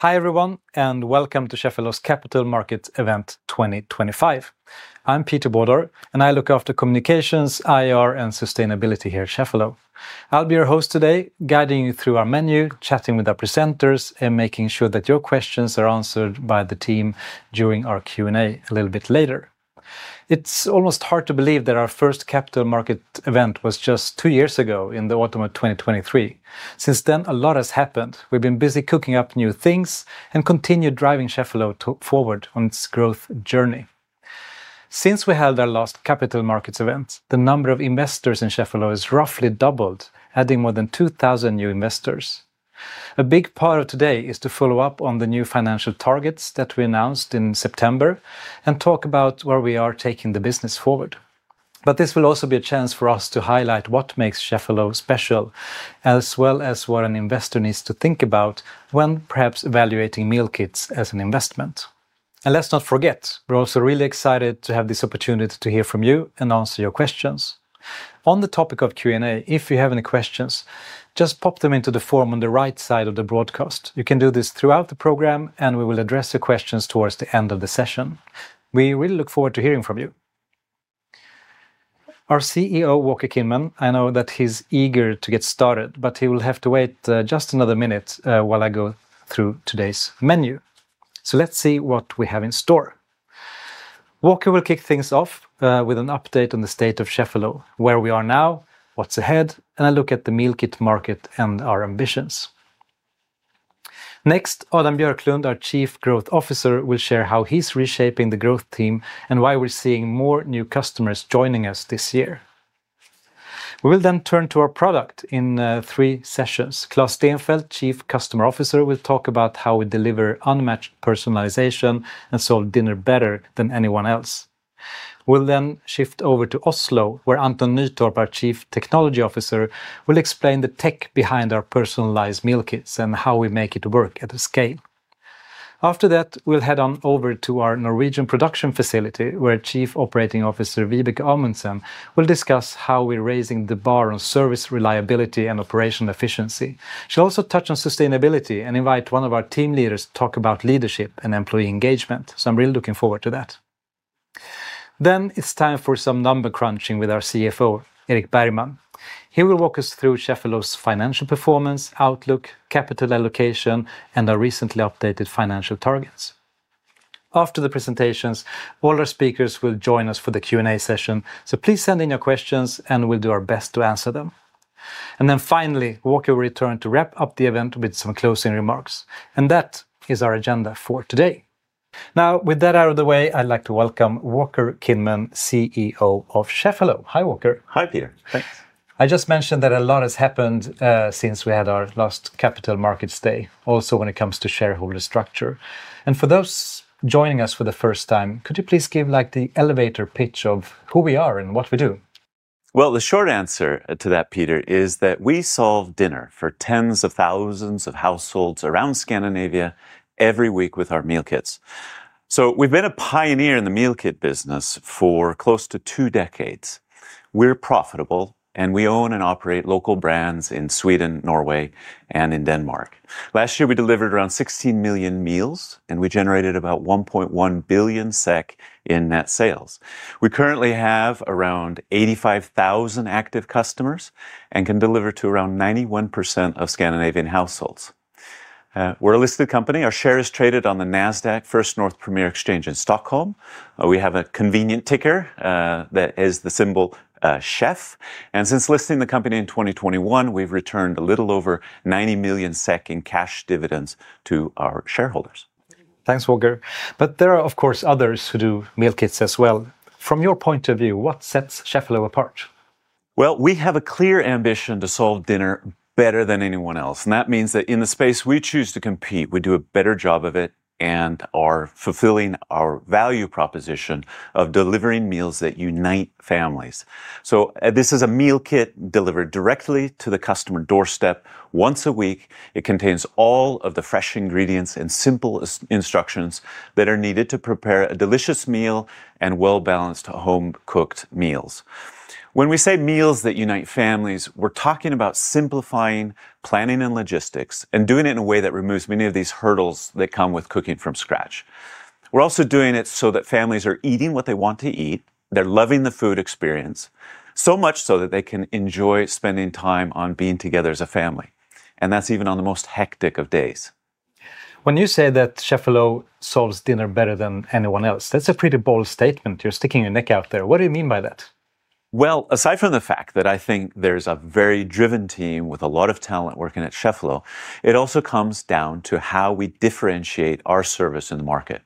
Hi everyone, and welcome to Cheffelo's capital markets event 2025. I'm Peter Bodor, and I look after Communications, IR, and Sustainability here at Cheffelo. I'll be your host today, guiding you through our menu, chatting with our presenters, and making sure that your questions are answered by the team during our Q&A a little bit later. It's almost hard to believe that our first Capital Markets Event was just two years ago in the autumn of 2023. Since then, a lot has happened. We've been busy cooking up new things and continue driving Cheffelo forward on its growth journey. Since we held our last Capital Markets Event, the number of investors in Cheffelo has roughly doubled, adding more than 2,000 new investors. A big part of today is to follow up on the new financial targets that we announced in September and talk about where we are taking the business forward. This will also be a chance for us to highlight what makes Cheffelo special, as well as what an investor needs to think about when perhaps evaluating meal kits as an investment. Let's not forget, we're also really excited to have this opportunity to hear from you and answer your questions. On the topic of Q&A, if you have any questions, just pop them into the form on the right side of the broadcast. You can do this throughout the program, and we will address your questions towards the end of the session. We really look forward to hearing from you. Our CEO, Walker Kinman, I know that he's eager to get started, but he will have to wait just another minute while I go through today's menu. Let's see what we have in store. Walker will kick things off with an update on the state of Cheffelo, where we are now, what's ahead, and a look at the meal kit market and our ambitions. Next, Adam Björklund, our Chief Growth Officer, will share how he's reshaping the growth team and why we're seeing more new customers joining us this year. We will then turn to our product in three sessions. Claes Steenfeldt, Chief Customer Officer, will talk about how we deliver unmatched personalization and solve dinner better than anyone else. We'll then shift over to Oslo, where Anton Nytorp, our Chief Technology Officer, will explain the tech behind our personalized meal kits and how we make it work at a scale. After that, we'll head on over to our Norwegian production facility, where Chief Operating Officer Vibeke Amundsen will discuss how we're raising the bar on service reliability and operational efficiency. She'll also touch on sustainability and invite one of our team leaders to talk about leadership and employee engagement. I'm really looking forward to that. It is time for some number crunching with our CFO, Erik Bergman. He will walk us through Cheffelo's financial performance, outlook, capital allocation policy, and our recently updated financial targets. After the presentations, all our speakers will join us for the Q&A session. Please send in your questions, and we'll do our best to answer them. Finally, Walker will return to wrap up the event with some closing remarks. That is our agenda for today. Now, with that out of the way, I'd like to welcome Walker Kinman, CEO of Cheffelo. Hi, Walker. Hi, Peter. Thanks. I just mentioned that a lot has happened since we had our last Capital Markets Day, also when it comes to shareholder structure. For those joining us for the first time, could you please give like the elevator pitch of who we are and what we do? The short answer to that, Peter, is that we solve dinner for tens of thousands of households around Scandinavia every week with our meal kits. We've been a pioneer in the meal kit business for close to two decades. We're profitable, and we own and operate local brands in Sweden, Norway, and in Denmark. Last year, we delivered around 16 million meals, and we generated about 1.1 billion SEK in net sales. We currently have around 85,000 active customers and can deliver to around 91% of Scandinavian households. We're a listed company. Our share is traded on the NASDAQ First North Premier in Stockholm. We have a convenient ticker that is the symbol CHEF. Since listing the company in 2021, we've returned a little over 90 million SEK in cash dividends to our shareholders. Thanks, Walker. There are, of course, others who do meal kits as well. From your point of view, what sets Cheffelo apart? We have a clear ambition to solve dinner better than anyone else. That means that in the space we choose to compete, we do a better job of it and are fulfilling our value proposition of delivering meals that unite families. This is a meal kit delivered directly to the customer doorstep once a week. It contains all of the fresh ingredients and simple instructions that are needed to prepare a delicious meal and well-balanced home-cooked meals. When we say meals that unite families, we're talking about simplifying planning and logistics and doing it in a way that removes many of these hurdles that come with cooking from scratch. We're also doing it so that families are eating what they want to eat. They're loving the food experience so much so that they can enjoy spending time on being together as a family. That's even on the most hectic of days. When you say that Cheffelo solves dinner better than anyone else, that's a pretty bold statement. You're sticking your neck out there. What do you mean by that? Aside from the fact that I think there's a very driven team with a lot of talent working at Cheffelo, it also comes down to how we differentiate our service in the market.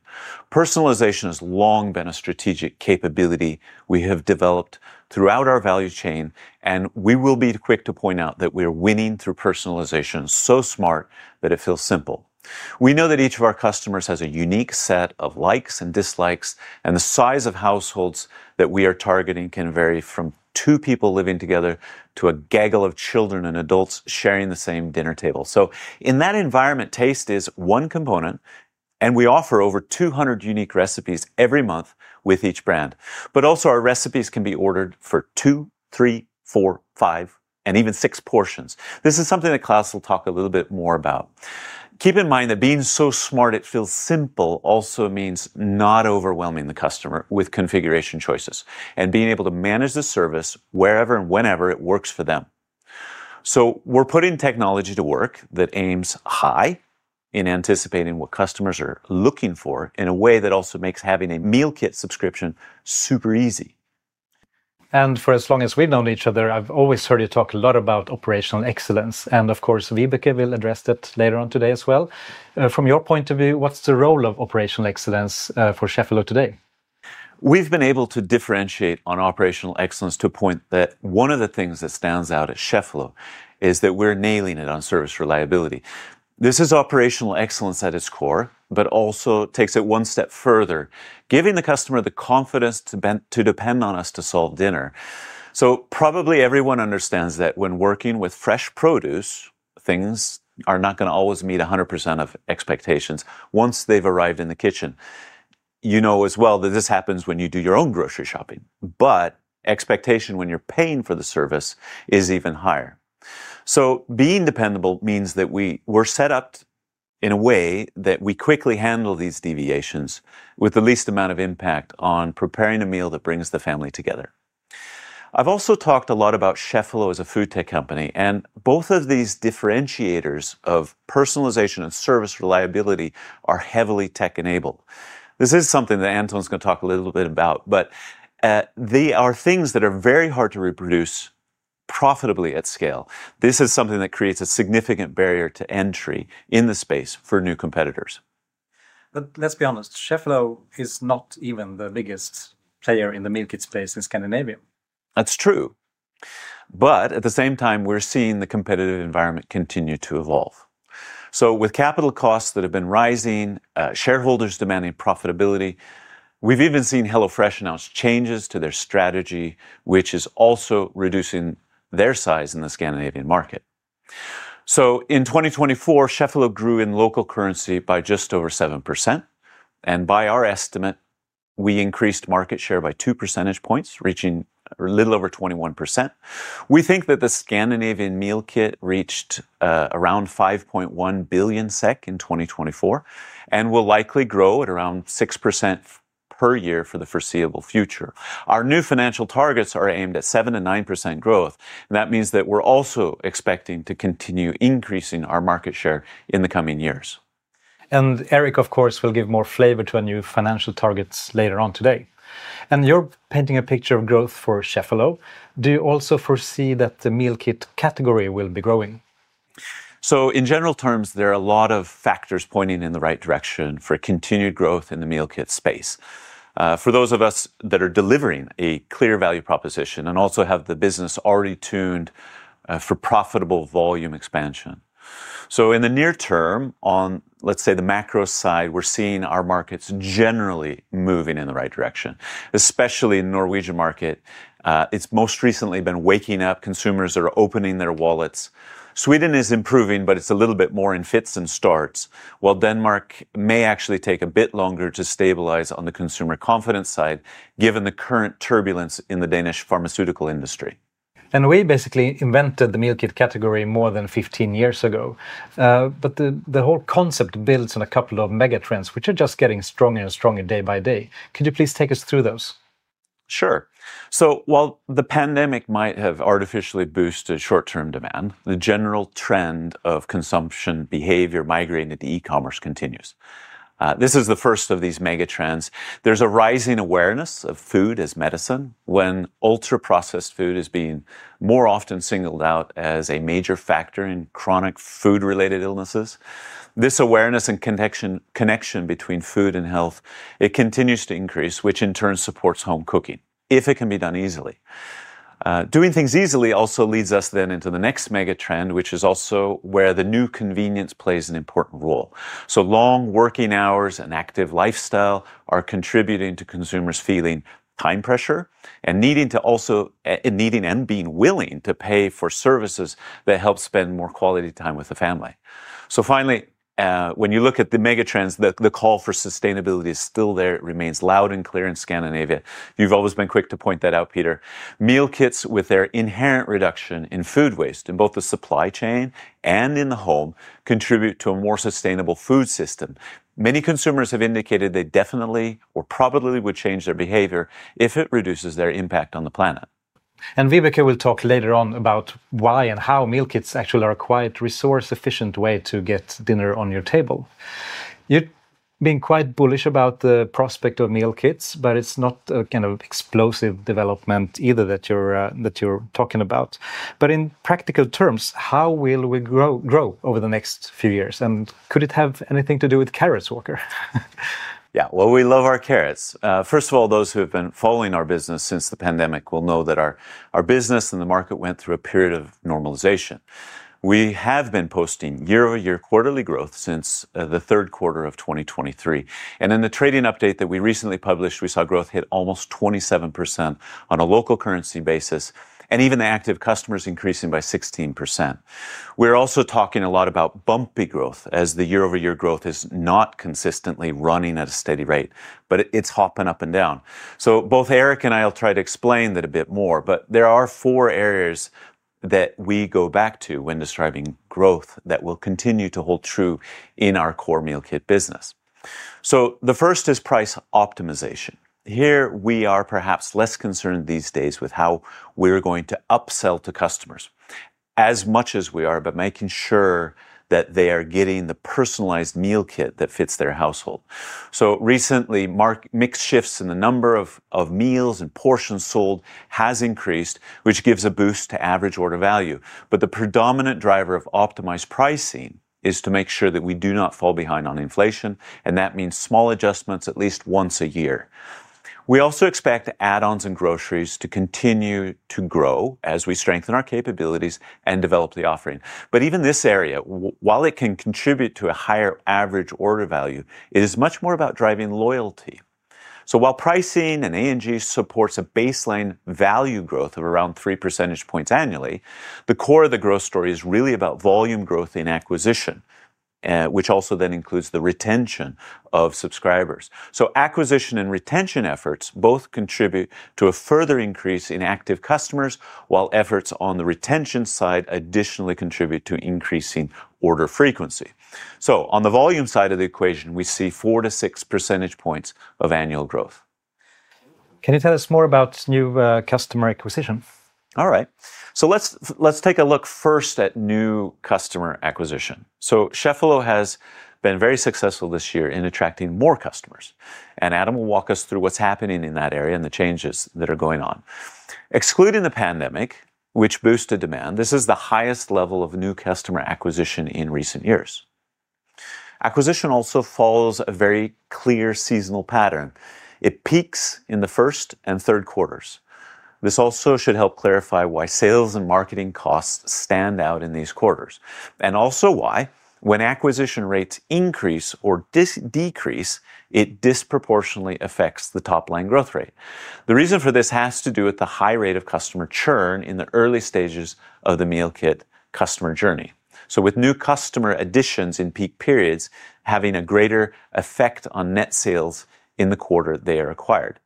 Personalization has long been a strategic capability we have developed throughout our value chain, and we will be quick to point out that we are winning through personalization so smart that it feels simple. We know that each of our customers has a unique set of likes and dislikes, and the size of households that we are targeting can vary from two people living together to a gaggle of children and adults sharing the same dinner table. In that environment, taste is one component, and we offer over 200 unique recipes every month with each brand. Our recipes can be ordered for two, three, four, five, and even six portions. This is something that Claes will talk a little bit more about. Keep in mind that being so smart it feels simple also means not overwhelming the customer with configuration choices and being able to manage the service wherever and whenever it works for them. We're putting technology to work that aims high in anticipating what customers are looking for in a way that also makes having a meal kit subscription super easy. For as long as we've known each other, I've always heard you talk a lot about operational excellence. Vibeke will address that later on today as well. From your point of view, what's the role of operational excellence for Cheffelo today? We've been able to differentiate on operational excellence to a point that one of the things that stands out at Cheffelo is that we're nailing it on service reliability. This is operational excellence at its core, but also takes it one step further, giving the customer the confidence to depend on us to solve dinner. Probably everyone understands that when working with fresh produce, things are not going to always meet 100% of expectations once they've arrived in the kitchen. You know as well that this happens when you do your own grocery shopping, but expectation when you're paying for the service is even higher. Being dependable means that we're set up in a way that we quickly handle these deviations with the least amount of impact on preparing a meal that brings the family together. I've also talked a lot about Cheffelo as a food tech company, and both of these differentiators of personalization and service reliability are heavily tech-enabled. This is something that Anton is going to talk a little bit about, but they are things that are very hard to reproduce profitably at scale. This is something that creates a significant barrier to entry in the space for new competitors. Let's be honest, Cheffelo is not even the biggest player in the meal kit space in Scandinavia. That's true. At the same time, we're seeing the competitive environment continue to evolve. With capital costs that have been rising, shareholders demanding profitability, we've even seen HelloFresh announce changes to their strategy, which is also reducing their size in the Scandinavian market. In 2024, Cheffelo grew in local currency by just over 7%. By our estimate, we increased market share by 2 percentage points, reaching a little over 21%. We think that the Scandinavian meal kit market reached around 5.1 billion SEK in 2024 and will likely grow at around 6% per year for the foreseeable future. Our new financial targets are aimed at 7%-9% growth, and that means that we're also expecting to continue increasing our market share in the coming years. Erik, of course, will give more flavor to our new financial targets later on today. You're painting a picture of growth for Cheffelo. Do you also foresee that the meal kit category will be growing? In general terms, there are a lot of factors pointing in the right direction for continued growth in the meal kit space. For those of us that are delivering a clear value proposition and also have the business already tuned for profitable volume expansion, in the near term, on let's say the macro side, we're seeing our markets generally moving in the right direction, especially in the Norwegian market. It's most recently been waking up. Consumers are opening their wallets. Sweden is improving, but it's a little bit more in fits and starts, while Denmark may actually take a bit longer to stabilize on the consumer confidence side, given the current turbulence in the Danish pharmaceutical industry. We basically invented the meal kit category more than 15 years ago. The whole concept builds on a couple of mega trends, which are just getting stronger and stronger day by day. Could you please take us through those? Sure. While the pandemic might have artificially boosted short-term demand, the general trend of consumption behavior migrating into e-commerce continues. This is the first of these mega trends. There's a rising awareness of food as medicine, when ultra-processed food is being more often singled out as a major factor in chronic food-related illnesses. This awareness and connection between food and health continues to increase, which in turn supports home cooking, if it can be done easily. Doing things easily also leads us into the next mega trend, which is also where the new convenience plays an important role. Long working hours and active lifestyle are contributing to consumers feeling time pressure and being willing to pay for services that help spend more quality time with the family. Finally, when you look at the mega trends, the call for sustainability is still there. It remains loud and clear in Scandinavia. You've always been quick to point that out, Peter. Meal kits, with their inherent reduction in food waste in both the supply chain and in the home, contribute to a more sustainable food system. Many consumers have indicated they definitely or probably would change their behavior if it reduces their impact on the planet. Vibeke will talk later on about why and how meal kits actually are a quiet, resource-efficient way to get dinner on your table. You've been quite bullish about the prospect of meal kits, but it's not a kind of explosive development either that you're talking about. In practical terms, how will we grow over the next few years? Could it have anything to do with carrots, Walker? Yeah, we love our carrots. First of all, those who have been following our business since the pandemic will know that our business and the market went through a period of normalization. We have been posting year-over-year quarterly growth since the third quarter of 2023. In the trading update that we recently published, we saw growth hit almost 27% on a local currency basis, and even the active customers increasing by 16%. We're also talking a lot about bumpy growth, as the year-over-year growth is not consistently running at a steady rate, but it's hopping up and down. Both Erik and I will try to explain that a bit more, but there are four areas that we go back to when describing growth that will continue to hold true in our core meal kit business. The first is price optimization. Here we are perhaps less concerned these days with how we're going to upsell to customers as much as we are, but making sure that they are getting the personalized meal kit that fits their household. Recently, mixed shifts in the number of meals and portions sold have increased, which gives a boost to average order value. The predominant driver of optimized pricing is to make sure that we do not fall behind on inflation, and that means small adjustments at least once a year. We also expect add-ons and groceries to continue to grow as we strengthen our capabilities and develop the offering. Even this area, while it can contribute to a higher average order value, is much more about driving loyalty. While pricing and A&G support a baseline value growth of around 3% annually, the core of the growth story is really about volume growth in acquisition, which also then includes the retention of subscribers. Acquisition and retention efforts both contribute to a further increase in active customers, while efforts on the retention side additionally contribute to increasing order frequency. On the volume side of the equation, we see 4%-6% of annual growth. Can you tell us more about new customer acquisition? All right. Let's take a look first at new customer acquisition. Cheffelo has been very successful this year in attracting more customers. Adam will walk us through what's happening in that area and the changes that are going on. Excluding the pandemic, which boosted demand, this is the highest level of new customer acquisition in recent years. Acquisition also follows a very clear seasonal pattern. It peaks in the first and third quarters. This should help clarify why sales and marketing costs stand out in these quarters, and also why, when acquisition rates increase or decrease, it disproportionately affects the top line growth rate. The reason for this has to do with the high rate of customer churn in the early stages of the meal kit customer journey, with new customer additions in peak periods having a greater effect on net sales in the quarter they are acquired.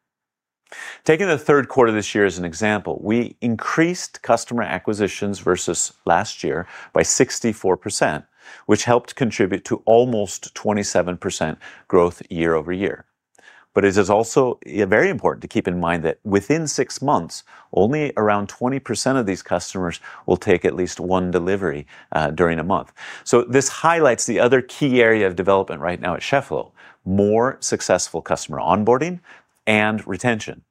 Taking the third quarter this year as an example, we increased customer acquisitions versus last year by 64%, which helped contribute to almost 27% growth year over year. It is also very important to keep in mind that within six months, only around 20% of these customers will take at least one delivery during a month. This highlights the other key area of development right now at Cheffelo: more successful customer onboarding and retention.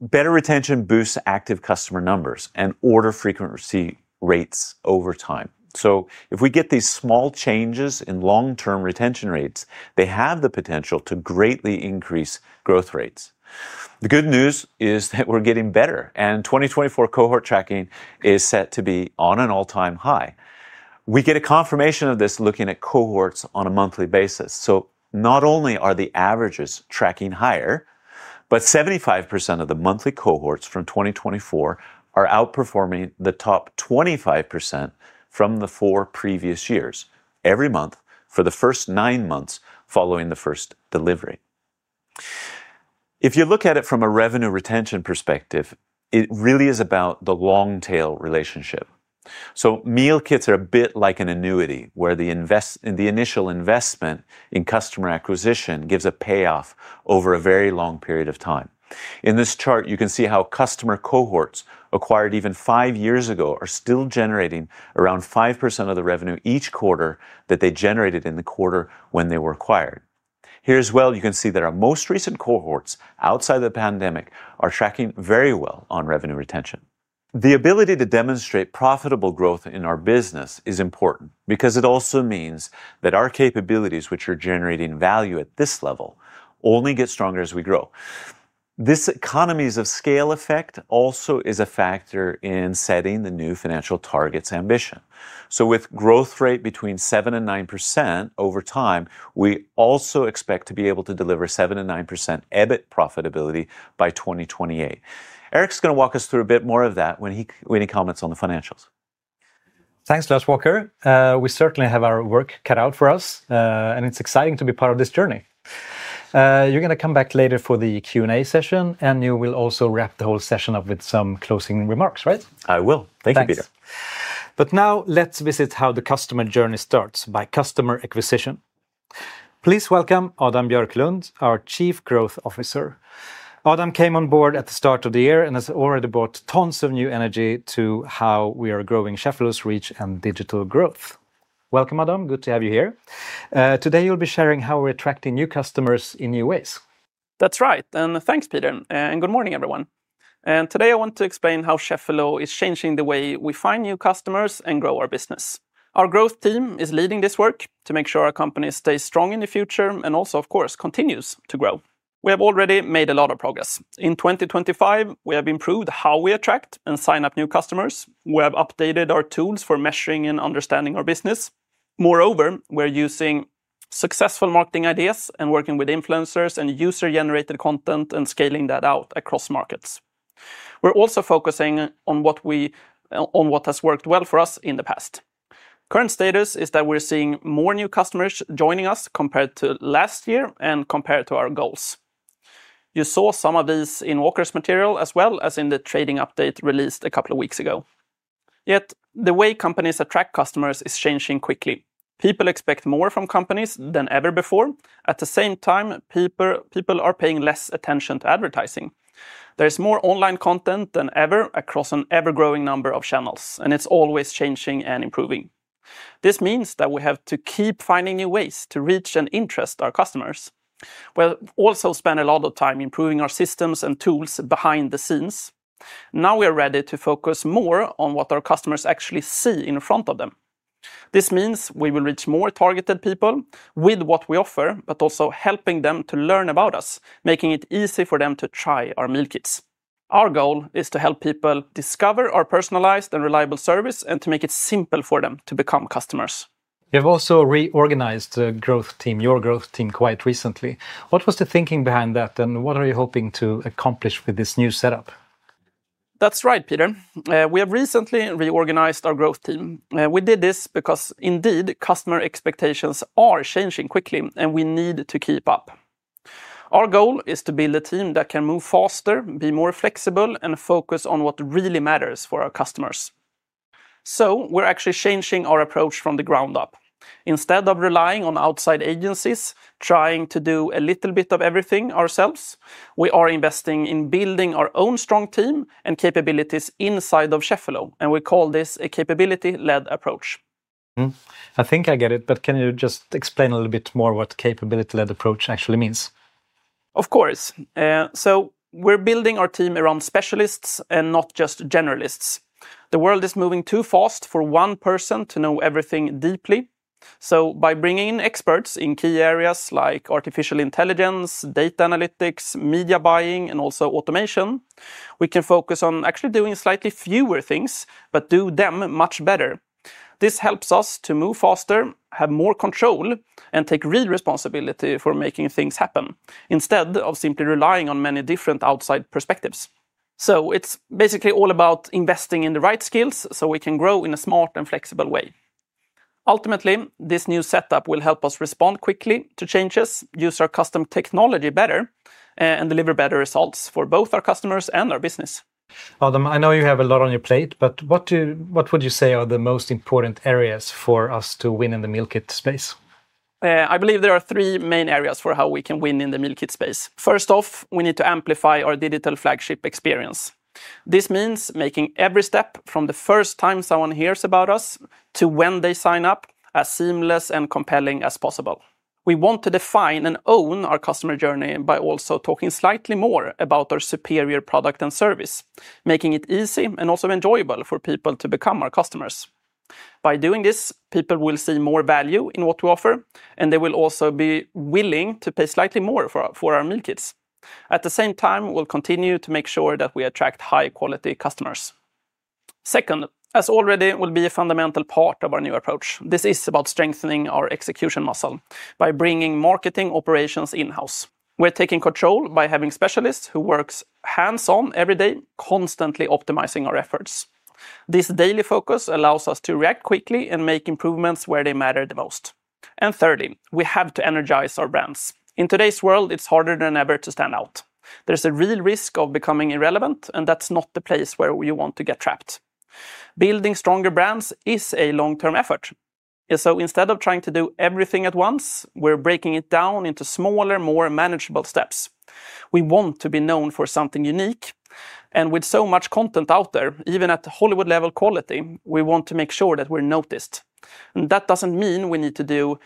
Better retention boosts active customer numbers and order frequency rates over time. If we get these small changes in long-term retention rates, they have the potential to greatly increase growth rates. The good news is that we're getting better, and 2024 cohort tracking is set to be on an all-time high. We get a confirmation of this looking at cohorts on a monthly basis. Not only are the averages tracking higher, but 75% of the monthly cohorts from 2024 are outperforming the top 25% from the four previous years, every month for the first nine months following the first delivery. If you look at it from a revenue retention perspective, it really is about the long-tail relationship. Meal kits are a bit like an annuity, where the initial investment in customer acquisition gives a payoff over a very long period of time. In this chart, you can see how customer cohorts acquired even five years ago are still generating around 5% of the revenue each quarter that they generated in the quarter when they were acquired. Here as well, you can see that our most recent cohorts outside of the pandemic are tracking very well on revenue retention. The ability to demonstrate profitable growth in our business is important because it also means that our capabilities, which are generating value at this level, only get stronger as we grow. This economies of scale effect also is a factor in setting the new financial targets' ambition. With growth rates between 7% and 9% over time, we also expect to be able to deliver 7% and 9% EBIT profitability by 2028. Erik's going to walk us through a bit more of that when he comments on the financials. Thanks, Walker, we certainly have our work cut out for us, and it's exciting to be part of this journey. You're going to come back later for the Q&A session, and you will also wrap the whole session up with some closing remarks, right? I will. Thank you, Peter. Now let's visit how the customer journey starts by customer acquisition. Please welcome Adam Björklund, our Chief Growth Officer. Adam came on board at the start of the year and has already brought tons of new energy to how we are growing Cheffelo's reach and digital growth. Welcome, Adam. Good to have you here. Today you'll be sharing how we're attracting new customers in new ways. That's right. Thanks, Peter. Good morning, everyone. Today I want to explain how Cheffelo is changing the way we find new customers and grow our business. Our growth team is leading this work to make sure our company stays strong in the future and also, of course, continues to grow. We have already made a lot of progress. In 2025, we have improved how we attract and sign up new customers. We have updated our tools for measuring and understanding our business. Moreover, we're using successful marketing ideas and working with influencers and user-generated content and scaling that out across markets. We're also focusing on what has worked well for us in the past. Current status is that we're seeing more new customers joining us compared to last year and compared to our goals. You saw some of these in Walker's material as well as in the trading update released a couple of weeks ago. Yet the way companies attract customers is changing quickly. People expect more from companies than ever before. At the same time, people are paying less attention to advertising. There is more online content than ever across an ever-growing number of channels, and it's always changing and improving. This means that we have to keep finding new ways to reach and interest our customers. We have also spent a lot of time improving our systems and tools behind the scenes. Now we are ready to focus more on what our customers actually see in front of them. This means we will reach more targeted people with what we offer, but also helping them to learn about us, making it easy for them to try our meal kits. Our goal is to help people discover our personalized and reliable service and to make it simple for them to become customers. You've also reorganized your growth team quite recently. What was the thinking behind that, and what are you hoping to accomplish with this new setup? That's right, Peter. We have recently reorganized our growth team. We did this because customer expectations are changing quickly, and we need to keep up. Our goal is to build a team that can move faster, be more flexible, and focus on what really matters for our customers. We are actually changing our approach from the ground up. Instead of relying on outside agencies or trying to do a little bit of everything ourselves, we are investing in building our own strong team and capabilities inside of Cheffelo and we call this a capability-led approach. I think I get it, but can you just explain a little bit more what a capability-led approach actually means? Of course. We're building our team around specialists and not just generalists. The world is moving too fast for one person to know everything deeply. By bringing in experts in key areas like artificial intelligence, data analytics, media buying, and also automation, we can focus on actually doing slightly fewer things, but do them much better. This helps us to move faster, have more control, and take real responsibility for making things happen instead of simply relying on many different outside perspectives. It's basically all about investing in the right skills so we can grow in a smart and flexible way. Ultimately, this new setup will help us respond quickly to changes, use our custom technology better, and deliver better results for both our customers and our business. Adam, I know you have a lot on your plate, but what would you say are the most important areas for us to win in the meal kit space? I believe there are three main areas for how we can win in the meal kit space. First off, we need to amplify our digital flagship experience. This means making every step from the first time someone hears about us to when they sign up as seamless and compelling as possible. We want to define and own our customer journey by also talking slightly more about our superior product and service, making it easy and also enjoyable for people to become our customers. By doing this, people will see more value in what we offer, and they will also be willing to pay slightly more for our meal kits. At the same time, we'll continue to make sure that we attract high-quality customers. Second, as already will be a fundamental part of our new approach, this is about strengthening our execution muscle by bringing marketing operations in-house. We're taking control by having specialists who work hands-on every day, constantly optimizing our efforts. This daily focus allows us to react quickly and make improvements where they matter the most. Thirdly, we have to energize our brands. In today's world, it's harder than ever to stand out. There's a real risk of becoming irrelevant, and that's not the place where you want to get trapped. Building stronger brands is a long-term effort. Instead of trying to do everything at once, we're breaking it down into smaller, more manageable steps. We want to be known for something unique, and with so much content out there, even at Hollywood-level quality, we want to make sure that we're noticed. That doesn't mean we need to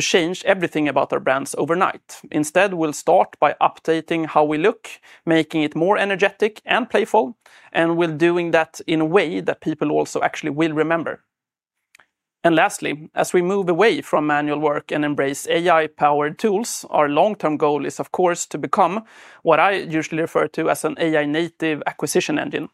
change everything about our brands overnight. Instead, we'll start by updating how we look, making it more energetic and playful, and we're doing that in a way that people also actually will remember. Lastly, as we move away from manual work and embrace AI-powered tools, our long-term goal is, of course, to become what I usually refer to as an AI-native acquisition engine.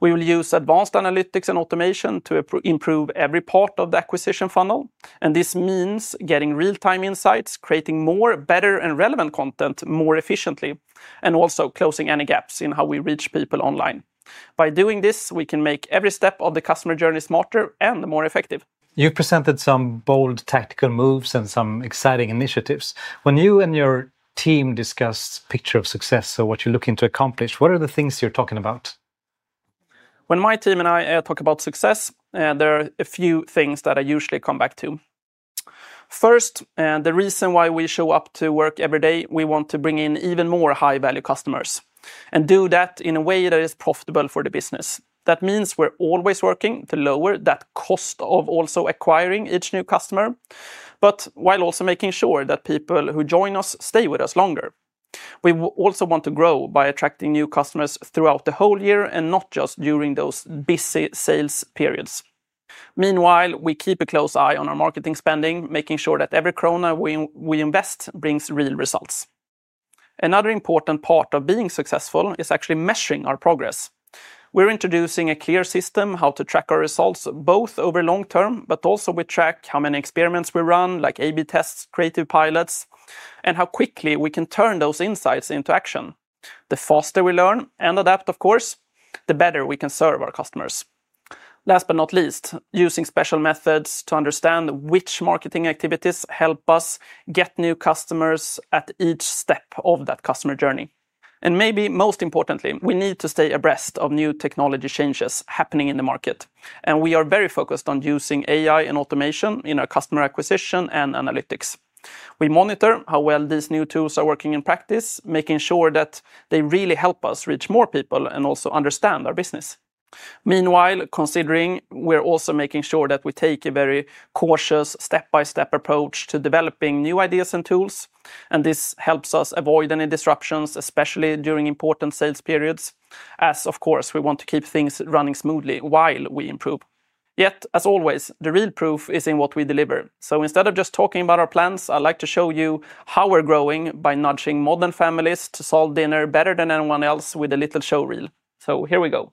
We will use advanced analytics and automation to improve every part of the acquisition funnel, and this means getting real-time insights, creating more, better, and relevant content more efficiently, and also closing any gaps in how we reach people online. By doing this, we can make every step of the customer journey smarter and more effective. You've presented some bold tactical moves and some exciting initiatives. When you and your team discuss the picture of success or what you're looking to accomplish, what are the things you're talking about? When my team and I talk about success, there are a few things that I usually come back to. First, the reason why we show up to work every day, we want to bring in even more high-value customers and do that in a way that is profitable for the business. That means we're always working to lower that cost of also acquiring each new customer, but while also making sure that people who join us stay with us longer. We also want to grow by attracting new customers throughout the whole year and not just during those busy sales periods. Meanwhile, we keep a close eye on our marketing spending, making sure that every krona we invest brings real results. Another important part of being successful is actually measuring our progress. We're introducing a clear system how to track our results both over long term, but also we track how many experiments we run, like A/B tests, creative pilots, and how quickly we can turn those insights into action. The faster we learn and adapt, of course, the better we can serve our customers. Last but not least, using special methods to understand which marketing activities help us get new customers at each step of that customer journey. Maybe most importantly, we need to stay abreast of new technology changes happening in the market. We are very focused on using AI and automation in our customer acquisition and analytics. We monitor how well these new tools are working in practice, making sure that they really help us reach more people and also understand our business. Meanwhile, considering we're also making sure that we take a very cautious, step-by-step approach to developing new ideas and tools, and this helps us avoid any disruptions, especially during important sales periods, as of course we want to keep things running smoothly while we improve. Yet, as always, the real proof is in what we deliver. Instead of just talking about our plans, I'd like to show you how we're growing by nudging modern families to solve dinner better than anyone else with a little show reel. Here we go.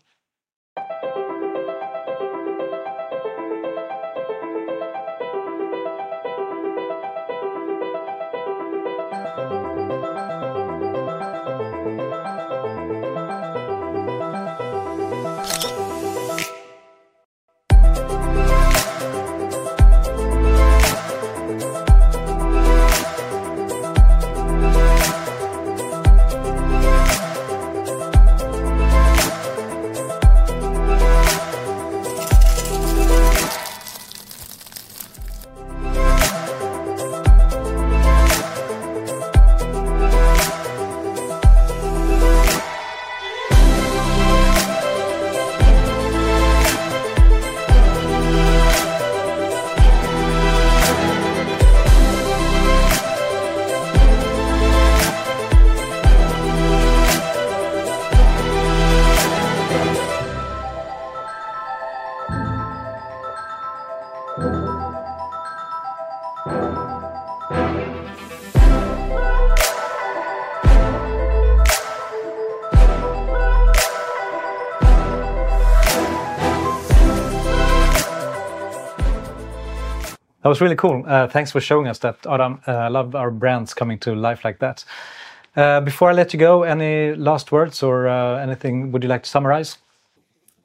That was really cool. Thanks for showing us that. Adam, I love our brands coming to life like that. Before I let you go, any last words or anything you would like to summarize?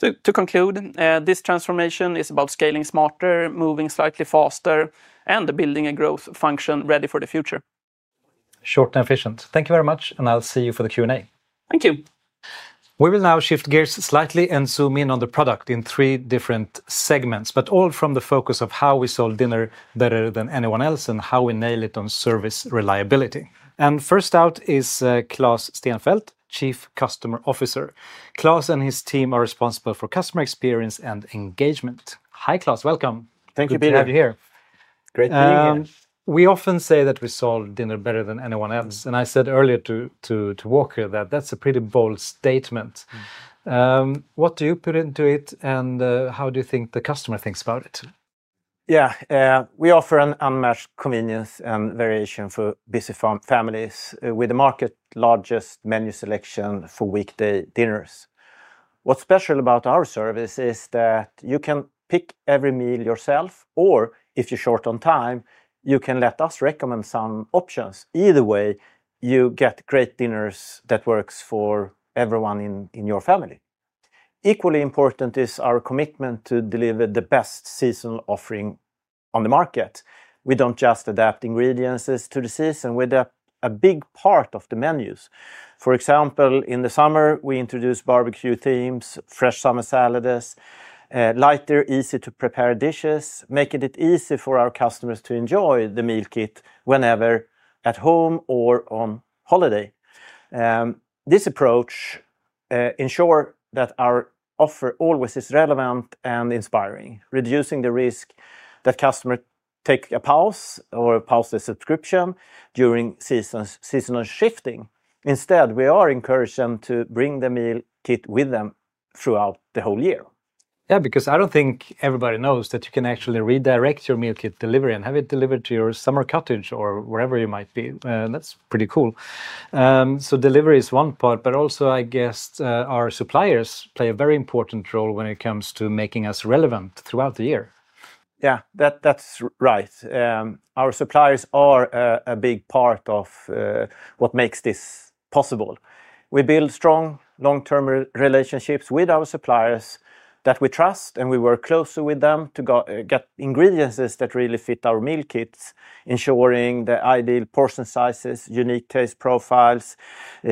To conclude, this transformation is about scaling smarter, moving slightly faster, and building a growth function ready for the future. Short and efficient. Thank you very much, and I'll see you for the Q&A. Thank you. We will now shift gears slightly and zoom in on the product in three different segments, all from the focus of how we sold dinner better than anyone else and how we nailed it on service reliability. First out is Claes Stenfeldt, Chief Customer Officer. Claes and his team are responsible for customer experience and engagement. Hi Claes, welcome. Thank you, Peter. Great to have you here. Great being here. We often say that we sold dinner better than anyone else, and I said earlier to Walker that that's a pretty bold statement. What do you put into it, and how do you think the customer thinks about it? Yeah, we offer an unmatched convenience and variation for busy families with the market's largest menu selection for weekday dinners. What's special about our service is that you can pick every meal yourself, or if you're short on time, you can let us recommend some options. Either way, you get great dinners that work for everyone in your family. Equally important is our commitment to deliver the best seasonal offering on the market. We don't just adapt ingredients to the season, we adapt a big part of the menus. For example, in the summer, we introduce barbecue themes, fresh summer salads, lighter, easy-to-prepare dishes, making it easy for our customers to enjoy the meal kit whenever at home or on holiday. This approach ensures that our offer always is relevant and inspiring, reducing the risk that customers take a pause or pause their subscription during seasonal shifting. Instead, we encourage them to bring their meal kit with them throughout the whole year. Yeah, because I don't think everybody knows that you can actually redirect your meal kit delivery and have it delivered to your summer cottage or wherever you might be. That's pretty cool. Delivery is one part, but also I guess our suppliers play a very important role when it comes to making us relevant throughout the year. Yeah, that's right. Our suppliers are a big part of what makes this possible. We build strong, long-term relationships with our suppliers that we trust, and we work closely with them to get ingredients that really fit our meal kits, ensuring the ideal portion sizes, unique taste profiles,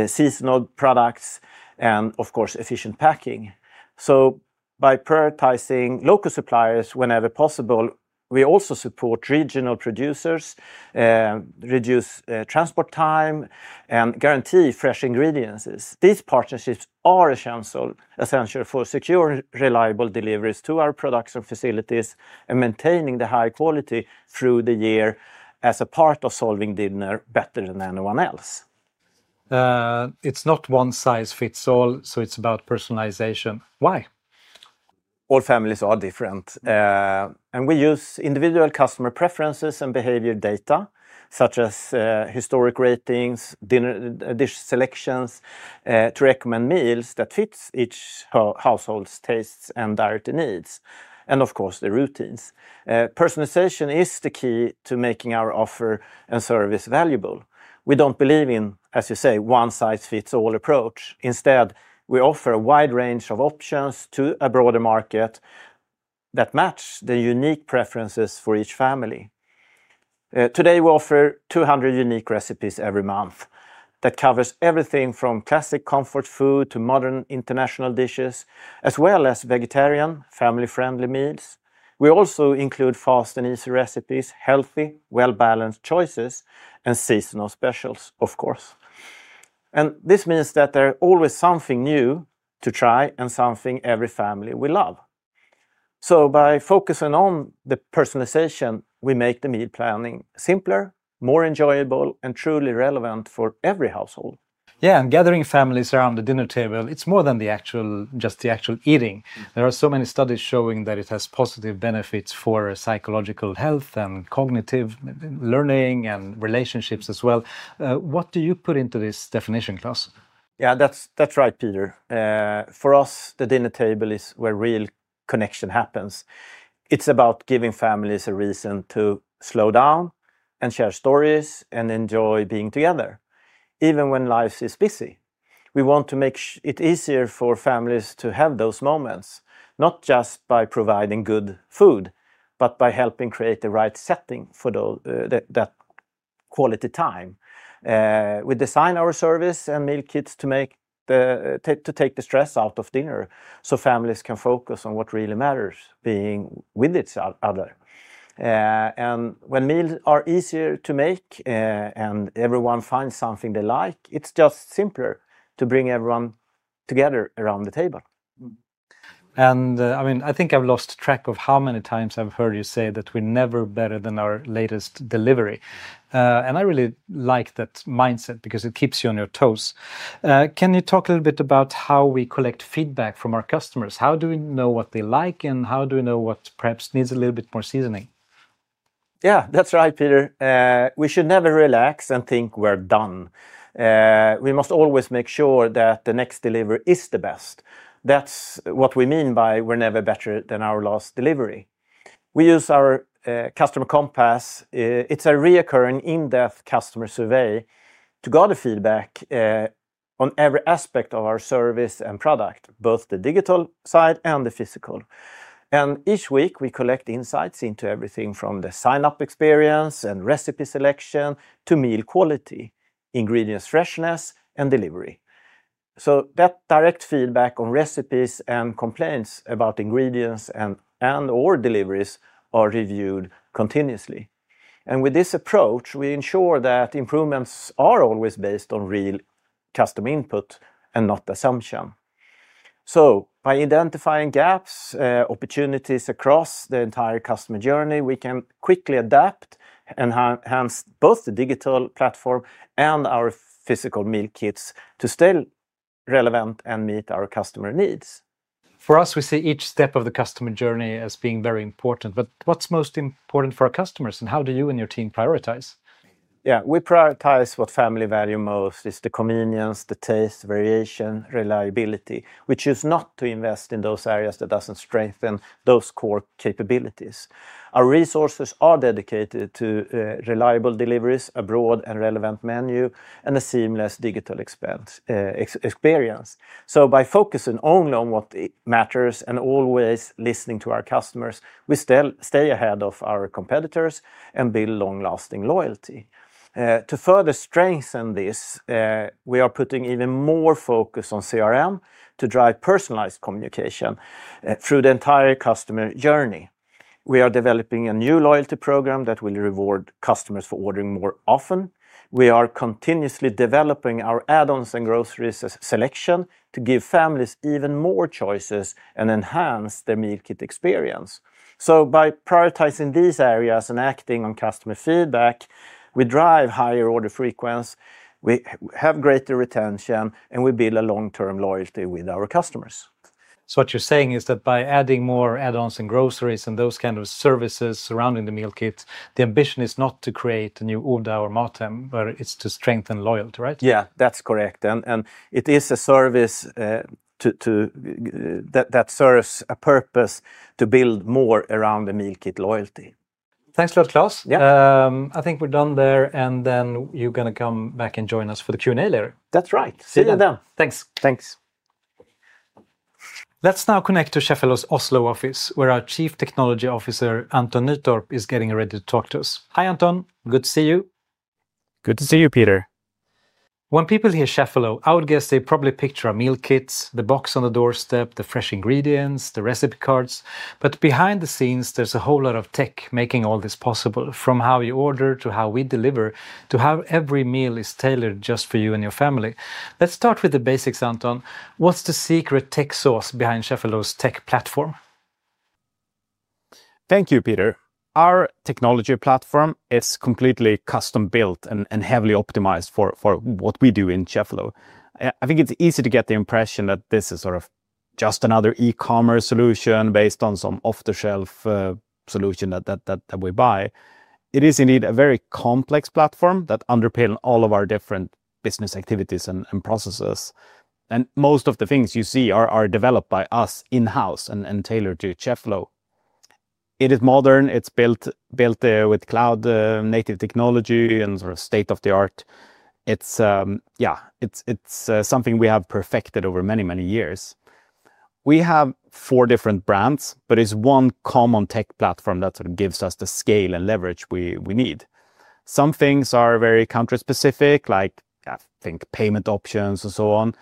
seasonal products, and, of course, efficient packing. By prioritizing local suppliers whenever possible, we also support regional producers, reduce transport time, and guarantee fresh ingredients. These partnerships are essential for secure, reliable deliveries to our production facilities and maintaining the high quality through the year as a part of solving dinner better than anyone else. It's not one size fits all, so it's about personalization. Why? All families are different, and we use individual customer preferences and behavior data, such as historic ratings and dish selections, to recommend meals that fit each household's tastes and dietary needs, and of course, their routines. Personalization is the key to making our offer and service valuable. We don't believe in, as you say, a one size fits all approach. Instead, we offer a wide range of options to a broader market that match the unique preferences for each family. Today, we offer 200 unique recipes every month that cover everything from classic comfort food to modern international dishes, as well as vegetarian and family-friendly meals. We also include fast and easy recipes, healthy, well-balanced choices, and seasonal specials, of course. This means that there is always something new to try and something every family will love. By focusing on the personalization, we make the meal planning simpler, more enjoyable, and truly relevant for every household. Yeah, gathering families around the dinner table, it's more than just the actual eating. There are so many studies showing that it has positive benefits for psychological health, cognitive learning, and relationships as well. What do you put into this definition, Claes? Yeah, that's right, Peter. For us, the dinner table is where real connection happens. It's about giving families a reason to slow down and share stories and enjoy being together, even when life is busy. We want to make it easier for families to have those moments, not just by providing good food, but by helping create the right setting for that quality time. We design our service and meal kits to take the stress out of dinner so families can focus on what really matters, being with each other. When meals are easier to make and everyone finds something they like, it's just simpler to bring everyone together around the table. I think I've lost track of how many times I've heard you say that we're never better than our latest delivery. I really like that mindset because it keeps you on your toes. Can you talk a little bit about how we collect feedback from our customers? How do we know what they like and how do we know what perhaps needs a little bit more seasoning? Yeah, that's right, Peter. We should never relax and think we're done. We must always make sure that the next delivery is the best. That's what we mean by we're never better than our last delivery. We use our customer compass. It's a recurring in-depth customer survey to gather feedback on every aspect of our service and product, both the digital side and the physical. Each week, we collect insights into everything from the sign-up experience and recipe selection to meal quality, ingredient freshness, and delivery. That direct feedback on recipes and complaints about ingredients and/or deliveries are reviewed continuously. With this approach, we ensure that improvements are always based on real customer input and not assumption. By identifying gaps and opportunities across the entire customer journey, we can quickly adapt and enhance both the digital platform and our physical meal kits to stay relevant and meet our customer needs. For us, we see each step of the customer journey as being very important. What's most important for our customers, and how do you and your team prioritize? We prioritize what families value most. It's the convenience, the taste, variation, reliability. We choose not to invest in those areas that don't strengthen those core capabilities. Our resources are dedicated to reliable deliveries, a broad and relevant menu, and a seamless digital experience. By focusing only on what matters and always listening to our customers, we stay ahead of our competitors and build long-lasting loyalty. To further strengthen this, we are putting even more focus on CRM to drive personalized communication through the entire customer journey. We are developing a new loyalty program that will reward customers for ordering more often. We are continuously developing our add-ons and groceries selection to give families even more choices and enhance their meal kit experience. By prioritizing these areas and acting on customer feedback, we drive higher order frequency, we have greater retention, and we build a long-term loyalty with our customers. You're saying that by adding more add-ons and groceries and those kinds of services surrounding the meal kit, the ambition is not to create a new order or market, but it's to strengthen loyalty, right? Yeah, that's correct. It is a service that serves a purpose to build more around the meal kit loyalty. Thanks a lot, Claes. Yeah. I think we're done there, and then you're going to come back and join us for the Q&A later. That's right. See you then. Thanks. Thanks. Let's now connect to Cheffelo's Oslo office, where our Chief Technology Officer, Anton Nytorp, is getting ready to talk to us. Hi, Anton. Good to see you. Good to see you, Peter. When people hear Cheffelo, I would guess they probably picture our meal kits, the box on the doorstep, the fresh ingredients, the recipe cards. Behind the scenes, there's a whole lot of tech making all this possible, from how you order to how we deliver, to how every meal is tailored just for you and your family. Let's start with the basics, Anton. What's the secret tech sauce behind Cheffelo's tech platform? Thank you, Peter. Our technology platform is completely custom-built and heavily optimized for what we do in Cheffelo. I think it's easy to get the impression that this is sort of just another e-commerce solution based on some off-the-shelf solution that we buy. It is indeed a very complex platform that underpins all of our different business activities and processes. Most of the things you see are developed by us in-house and tailored to Cheffelo. It is modern. It's built with cloud-native technology and sort of state-of-the-art. It's something we have perfected over many, many years. We have four different brands, but it's one common tech platform that gives us the scale and leverage we need. Some things are very country-specific, like I think payment options and so on.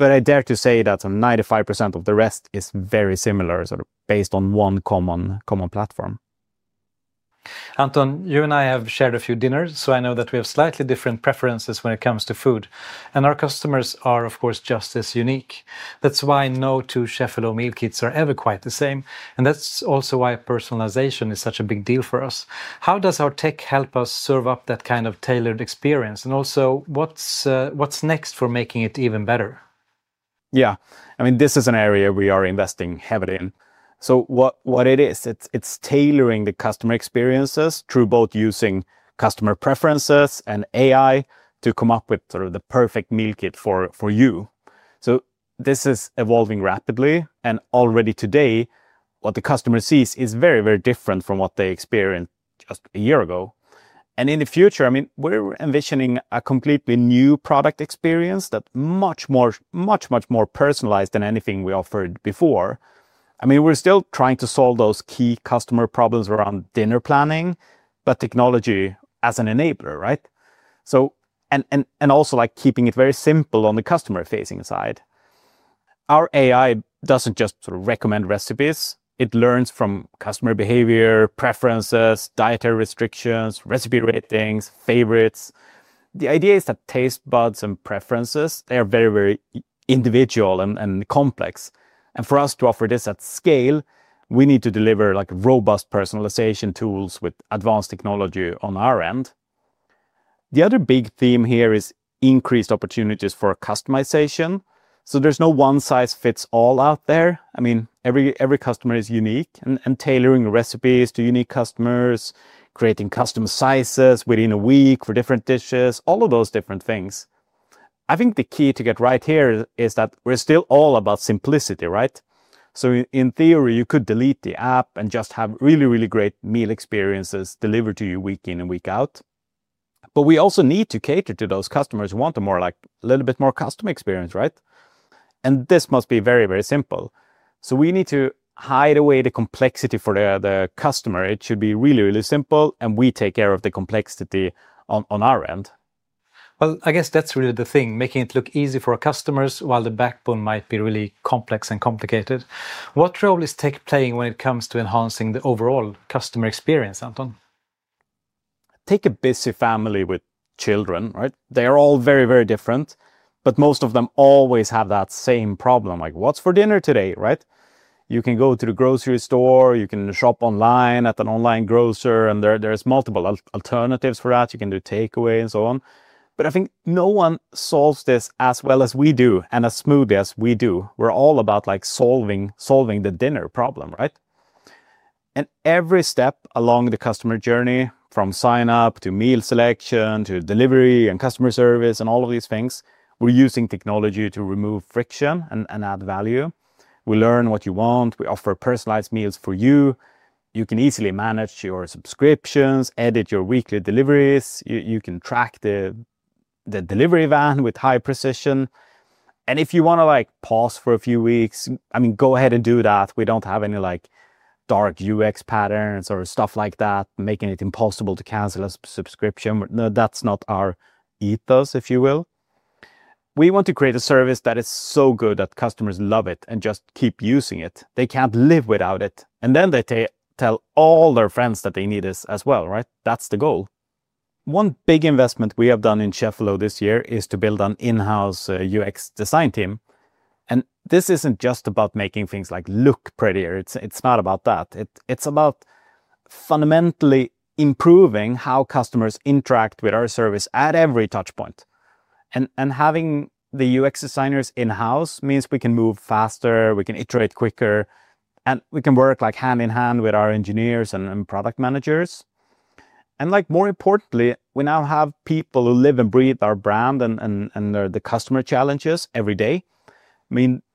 I dare to say that 95% of the rest is very similar, sort of based on one common platform. Anton, you and I have shared a few dinners, so I know that we have slightly different preferences when it comes to food. Our customers are, of course, just as unique. That's why no two Cheffelo meal kits are ever quite the same. That's also why personalization is such a big deal for us. How does our tech help us serve up that kind of tailored experience? What's next for making it even better? Yeah, I mean, this is an area we are investing heavily in. What it is, it's tailoring the customer experiences through both using customer preferences and AI to come up with sort of the perfect meal kit for you. This is evolving rapidly, and already today, what the customer sees is very, very different from what they experienced just a year ago. In the future, I mean, we're envisioning a completely new product experience that's much, much, much more personalized than anything we offered before. We're still trying to solve those key customer problems around dinner planning, with technology as an enabler, right? Also, like keeping it very simple on the customer-facing side. Our AI doesn't just sort of recommend recipes. It learns from customer behavior, preferences, dietary restrictions, recipe ratings, favorites. The idea is that taste buds and preferences, they are very, very individual and complex. For us to offer this at scale, we need to deliver robust personalization tools with advanced technology on our end. The other big theme here is increased opportunities for customization. There's no one-size-fits-all out there. Every customer is unique, and tailoring recipes to unique customers, creating custom sizes within a week for different dishes, all of those different things. I think the key to get right here is that we're still all about simplicity, right? In theory, you could delete the app and just have really, really great meal experiences delivered to you week in and week out. We also need to cater to those customers who want a more, like, a little bit more custom experience, right? This must be very, very simple. We need to hide away the complexity for the customer. It should be really, really simple, and we take care of the complexity on our end. I guess that's really the thing, making it look easy for our customers while the backbone might be really complex and complicated. What role is tech playing when it comes to enhancing the overall customer experience, Anton? Take a busy family with children, right? They are all very, very different, but most of them always have that same problem, like what's for dinner today, right? You can go to the grocery store, you can shop online at an online grocer, and there are multiple alternatives for that. You can do takeaway and so on. I think no one solves this as well as we do and as smoothly as we do. We're all about solving the dinner problem, right? Every step along the customer journey, from sign-up to meal selection to delivery and customer service and all of these things, we're using technology to remove friction and add value. We learn what you want. We offer personalized meals for you. You can easily manage your subscriptions, edit your weekly deliveries. You can track the delivery van with high precision. If you want to pause for a few weeks, go ahead and do that. We don't have any dark UX patterns or stuff like that, making it impossible to cancel a subscription. That's not our ethos, if you will. We want to create a service that is so good that customers love it and just keep using it. They can't live without it. They tell all their friends that they need us as well, right? That's the goal. One big investment we have done in Cheffelo AB this year is to build an in-house UX design team. This isn't just about making things look prettier. It's not about that. It's about fundamentally improving how customers interact with our service at every touchpoint. Having the UX designers in-house means we can move faster, we can iterate quicker, and we can work hand in hand with our engineers and product managers. More importantly, we now have people who live and breathe our brand and the customer challenges every day.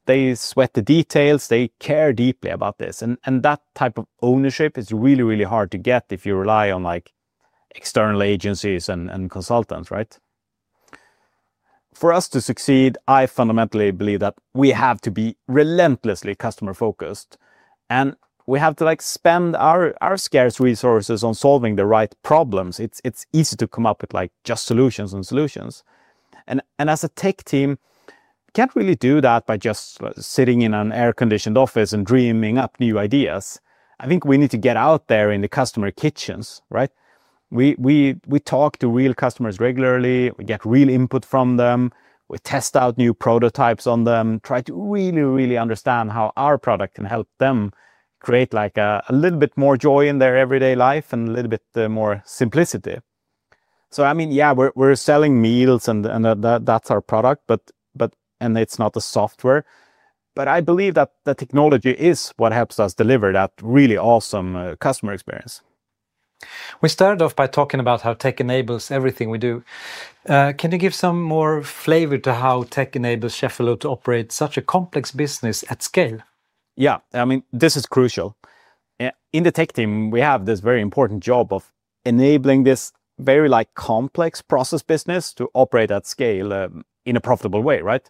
They sweat the details. They care deeply about this. That type of ownership is really, really hard to get if you rely on external agencies and consultants, right? For us to succeed, I fundamentally believe that we have to be relentlessly customer-focused. We have to spend our scarce resources on solving the right problems. It's easy to come up with just solutions and solutions. As a tech team, we can't really do that by just sitting in an air-conditioned office and dreaming up new ideas. I think we need to get out there in the customer kitchens, right? We talk to real customers regularly. We get real input from them. We test out new prototypes on them, try to really, really understand how our product can help them create a little bit more joy in their everyday life and a little bit more simplicity. I mean, yeah, we're selling meals, and that's our product, but it's not a software. I believe that the technology is what helps us deliver that really awesome customer experience. We started off by talking about how tech enables everything we do. Can you give some more flavor to how tech enables Cheffelo to operate such a complex business at scale? Yeah, I mean, this is crucial. In the tech team, we have this very important job of enabling this very complex process business to operate at scale in a profitable way, right?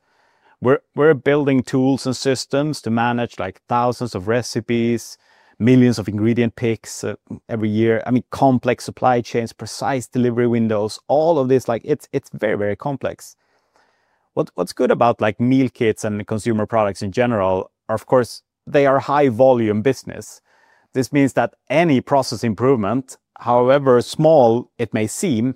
We're building tools and systems to manage thousands of recipes, millions of ingredient picks every year. I mean, complex supply chains, precise delivery windows, all of this, it's very, very complex. What's good about meal kits and consumer products in general is, of course, they are a high-volume business. This means that any process improvement, however small it may seem,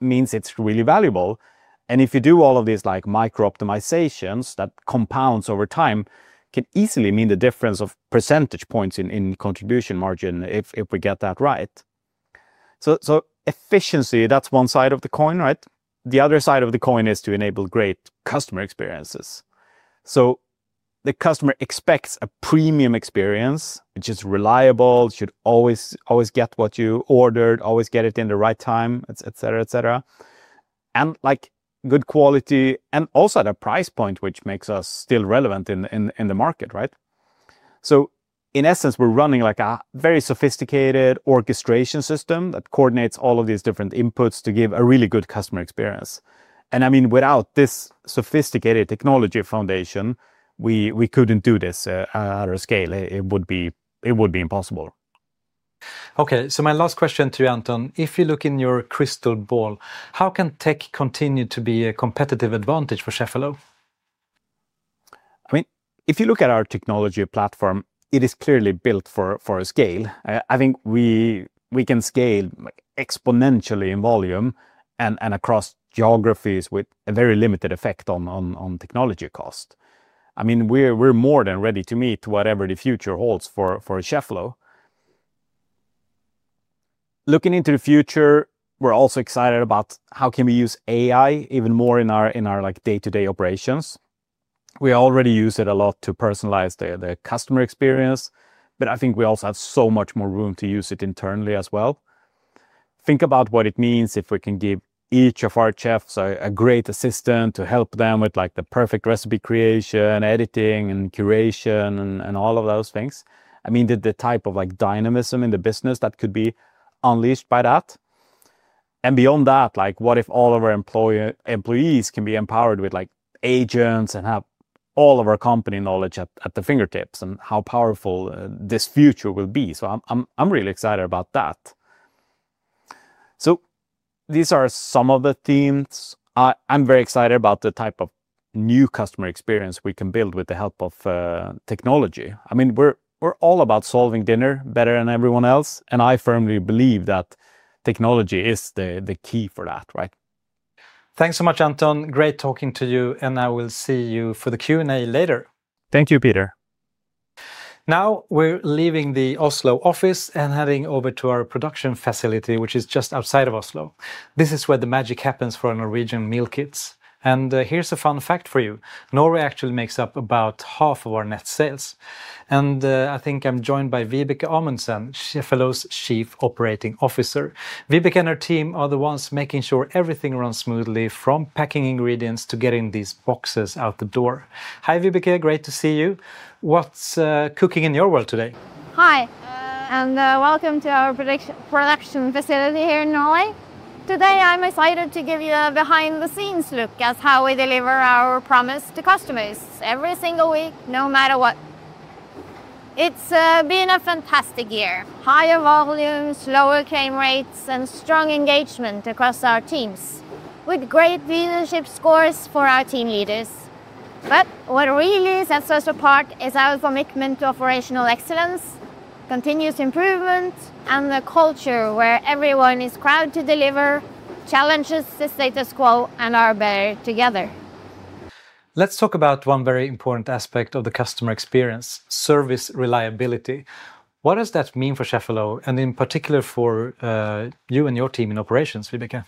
is really valuable. If you do all of these micro-optimizations that compound over time, it can easily mean the difference of percentage points in contribution margin if we get that right. Efficiency, that's one side of the coin, right? The other side of the coin is to enable great customer experiences. The customer expects a premium experience, which is reliable, should always get what you ordered, always get it in the right time, etc., etc., and good quality and also at a price point which makes us still relevant in the market, right? In essence, we're running a very sophisticated orchestration system that coordinates all of these different inputs to give a really good customer experience. Without this sophisticated technology foundation, we couldn't do this at our scale. It would be impossible. OK, so my last question to you, Anton, if you look in your crystal ball, how can tech continue to be a competitive advantage for Cheffelo? I mean, if you look at our technology platform, it is clearly built for scale. I think we can scale exponentially in volume and across geographies with a very limited effect on technology cost. I mean, we're more than ready to meet whatever the future holds for Cheffelo. Looking into the future, we're also excited about how can we use AI even more in our day-to-day operations. We already use it a lot to personalize the customer experience, but I think we also have so much more room to use it internally as well. Think about what it means if we can give each of our chefs a great assistant to help them with the perfect recipe creation, editing, and curation, and all of those things. The type of dynamism in the business that could be unleashed by that. Beyond that, what if all of our employees can be empowered with agents and have all of our company knowledge at the fingertips and how powerful this future will be? I'm really excited about that. These are some of the themes. I'm very excited about the type of new customer experience we can build with the help of technology. I mean, we're all about solving dinner better than everyone else, and I firmly believe that technology is the key for that, right? Thanks so much, Anton. Great talking to you, and I will see you for the Q&A later. Thank you, Peter. Now we're leaving the Oslo office and heading over to our production facility, which is just outside of Oslo. This is where the magic happens for our Norwegian meal kits. Here's a fun fact for you. Norway actually makes up about half of our net sales. I think I'm joined by Vibeke Amundsen, Cheffelo's Chief Operating Officer. Vibeke and her team are the ones making sure everything runs smoothly from packing ingredients to getting these boxes out the door. Hi, Vibeke. Great to see you. What's cooking in your world today? Hi, and welcome to our production facility here in Norway. Today, I'm excited to give you a behind-the-scenes look at how we deliver our promise to customers every single week, no matter what. It's been a fantastic year, higher volumes, lower claim rates, and strong engagement across our teams with great leadership scores for our team leaders. What really sets us apart is our commitment to operational excellence, continuous improvement, and a culture where everyone is proud to deliver, challenges the status quo, and are better together. Let's talk about one very important aspect of the customer experience, service reliability. What does that mean for Cheffelo, and in particular for you and your team in Operations, Vibeke?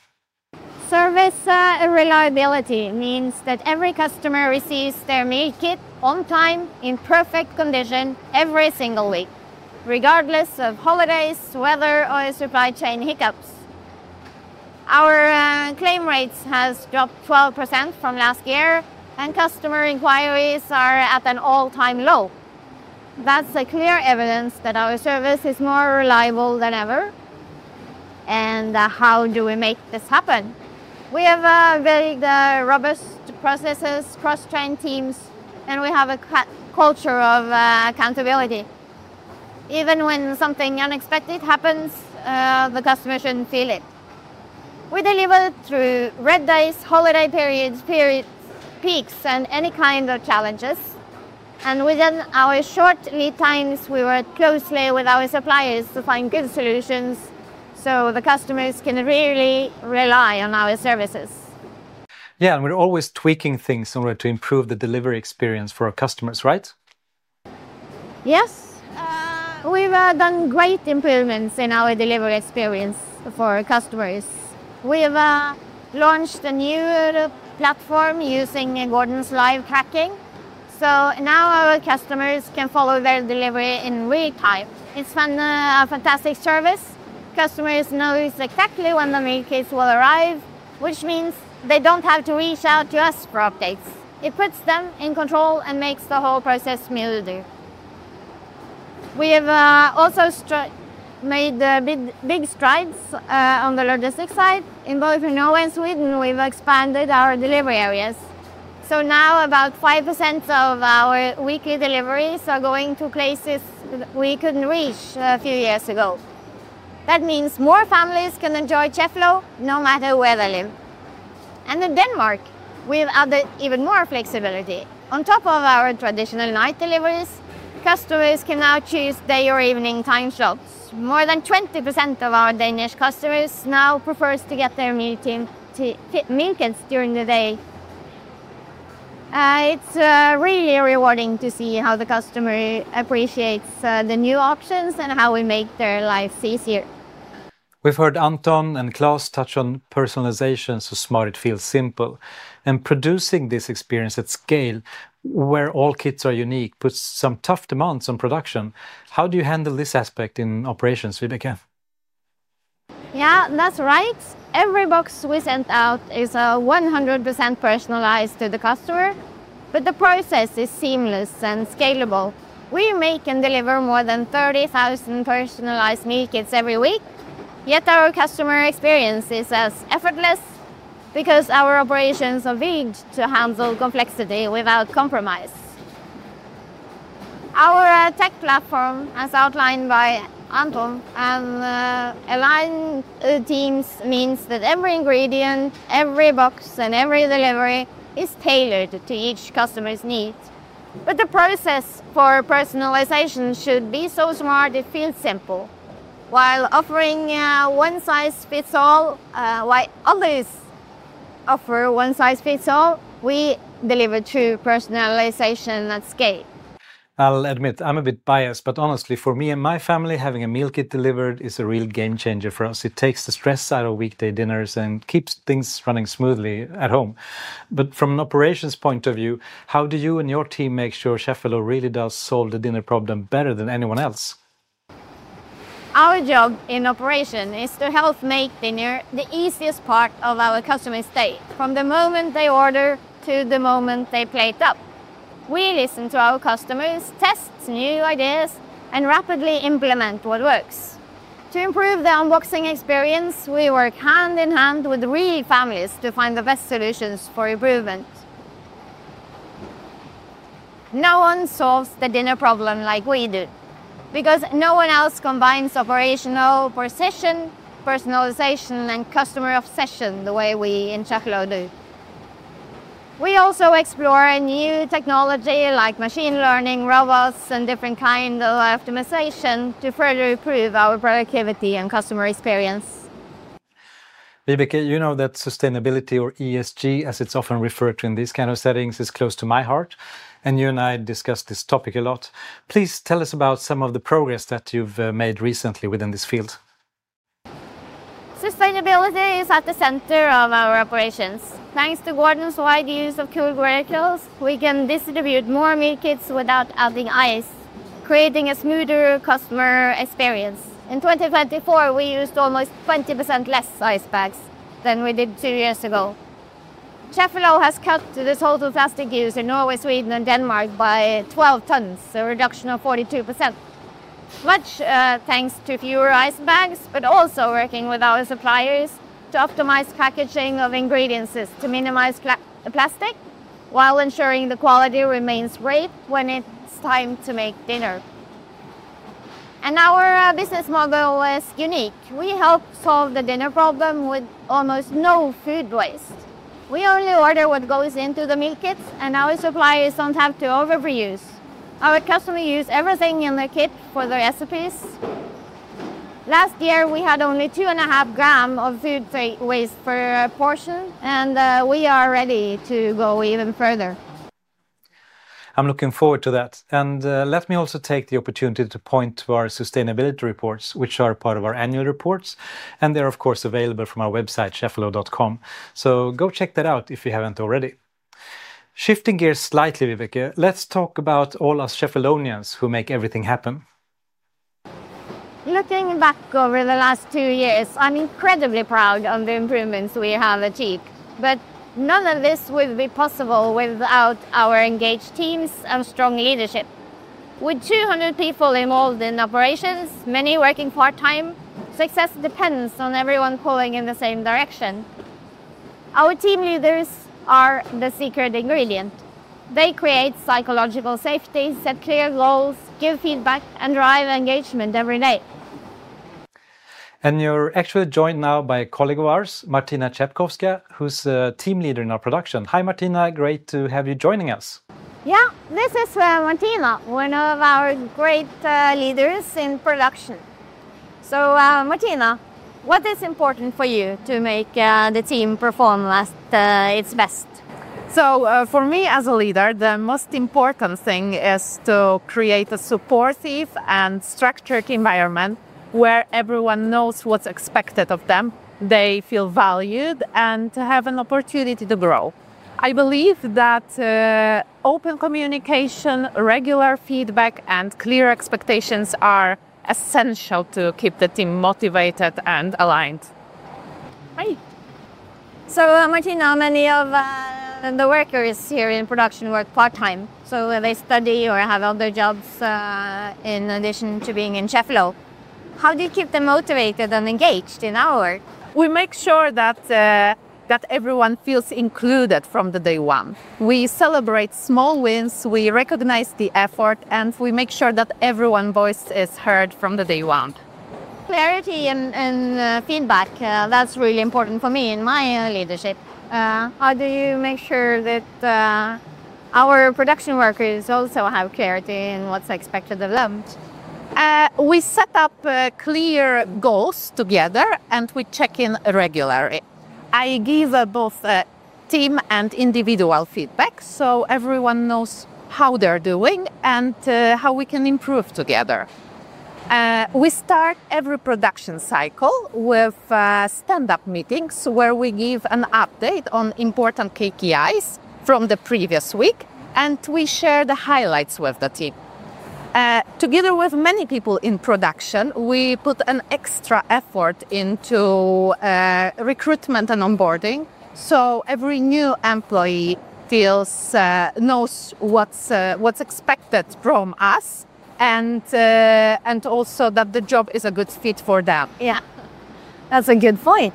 Service reliability means that every customer receives their meal kit on time, in perfect condition every single week, regardless of holidays, weather, or supply chain hiccups. Our claim rates have dropped 12% from last year, and customer inquiries are at an all-time low. That is clear evidence that our service is more reliable than ever. How do we make this happen? We have very robust processes, cross-trained teams, and we have a culture of accountability. Even when something unexpected happens, the customer should not feel it. We deliver through red days, holiday periods, peaks, and any kind of challenges. Within our short lead times, we work closely with our suppliers to find good solutions so the customers can really rely on our services. Yeah, we're always tweaking things in order to improve the delivery experience for our customers, right? Yes, we've done great improvements in our delivery experience for customers. We've launched a new platform using Gordon's live tracking. Now our customers can follow their delivery in real time. It's been a fantastic service. Customers know exactly when the meal kits will arrive, which means they don't have to reach out to us for updates. It puts them in control and makes the whole process smoother. We have also made big strides on the logistics side. In both Norway and Sweden, we've expanded our delivery areas. Now about 5% of our weekly deliveries are going to places we couldn't reach a few years ago. That means more families can enjoy Cheffelo no matter where they live. In Denmark, we've added even more flexibility. On top of our traditional night deliveries, customers can now choose day or evening time slots. More than 20% of our Danish customers now prefer to get their meal kits during the day. It's really rewarding to see how the customer appreciates the new options and how we make their lives easier. We've heard Anton Nytorp and Claes touch on personalization so smart it feels simple. Producing this experience at scale, where all kits are unique, puts some tough demands on production. How do you handle this aspect in operations, Vibeke? Yeah, that's right. Every box we send out is 100% personalized to the customer. The process is seamless and scalable. We make and deliver more than 30,000 personalized meal kits every week. Yet our customer experience is as effortless because our operations are big to handle complexity without compromise. Our tech platform, as outlined by Anton and the aligned teams, means that every ingredient, every box, and every delivery is tailored to each customer's need. The process for personalization should be so smart it feels simple. While others offer one size fits all, we deliver true personalization at scale. I'll admit I'm a bit biased, but honestly, for me and my family, having a meal kit delivered is a real game changer for us. It takes the stress out of weekday dinners and keeps things running smoothly at home. From an operations point of view, how do you and your team make sure Cheffelo really does solve the dinner problem better than anyone else? Our job in operation is to help make dinner the easiest part of our customer's day, from the moment they order to the moment they plate up. We listen to our customers, test new ideas, and rapidly implement what works. To improve the unboxing experience, we work hand in hand with real families to find the best solutions for improvement. No one solves the dinner problem like we do because no one else combines operational precision, personalization, and customer obsession the way we in Cheffelo do. We also explore new technology like machine learning, robots, and different kinds of optimization to further improve our productivity and customer experience. Vibeke, you know that sustainability or ESG, as it's often referred to in these kinds of settings, is close to my heart. You and I discuss this topic a lot. Please tell us about some of the progress that you've made recently within this field. Sustainability is at the center of our operations. Thanks to Gordon's wide use of cooled verticals, we can distribute more meal kits without adding ice, creating a smoother customer experience. In 2024, we used almost 20% less ice bags than we did two years ago. Cheffelo has cut the total plastic use in Norway, Sweden, and Denmark by 12 tons, a reduction of 42%. This is much thanks to fewer ice bags, but also working with our suppliers to optimize packaging of ingredients to minimize plastic while ensuring the quality remains great when it's time to make dinner. Our business model is unique. We help solve the dinner problem with almost no food waste. We only order what goes into the meal kits, and our suppliers don't have to overuse. Our customers use everything in the kit for their recipes. Last year, we had only 2.5 gm of food waste per portion, and we are ready to go even further. I'm looking forward to that. Let me also take the opportunity to point to our sustainability reports, which are part of our annual reports. They're, of course, available from our website, cheffelo.com. Go check that out if you haven't already. Shifting gears slightly, Vibeke, let's talk about all us Cheffelonians who make everything happen. Looking back over the last two years, I'm incredibly proud of the improvements we have achieved. None of this would be possible without our engaged teams and strong leadership. With 200 people involved in operations, many working part-time, success depends on everyone pulling in the same direction. Our team leaders are the secret ingredient. They create psychological safety, set clear goals, give feedback, and drive engagement every day. You're actually joined now by a colleague of ours, Martina Czepkowska, who's a Team Leader in our production. Hi, Martina. Great to have you joining us. Yeah, this is Martina, one of our great leaders in Production. Martina, what is important for you to make the team perform at its best? For me, as a leader, the most important thing is to create a supportive and structured environment where everyone knows what's expected of them, they feel valued, and have an opportunity to grow. I believe that open communication, regular feedback, and clear expectations are essential to keep the team motivated and aligned. Martina, many of the workers here in production work part-time. They study or have other jobs in addition to being in Cheffelo. How do you keep them motivated and engaged in our work? We make sure that everyone feels included from day one. We celebrate small wins, we recognize the effort, and we make sure that everyone's voice is heard from day one. Clarity and feedback, that's really important for me in my leadership. How do you make sure that our production workers also have clarity in what's expected of them? We set up clear goals together, and we check in regularly. I give both team and individual feedback so everyone knows how they're doing and how we can improve together. We start every production cycle with stand-up meetings where we give an update on important KPIs from the previous week, and we share the highlights with the team. Together with many people in production, we put an extra effort into recruitment and onboarding so every new employee knows what's expected from us and also that the job is a good fit for them. Yeah, that's a good point.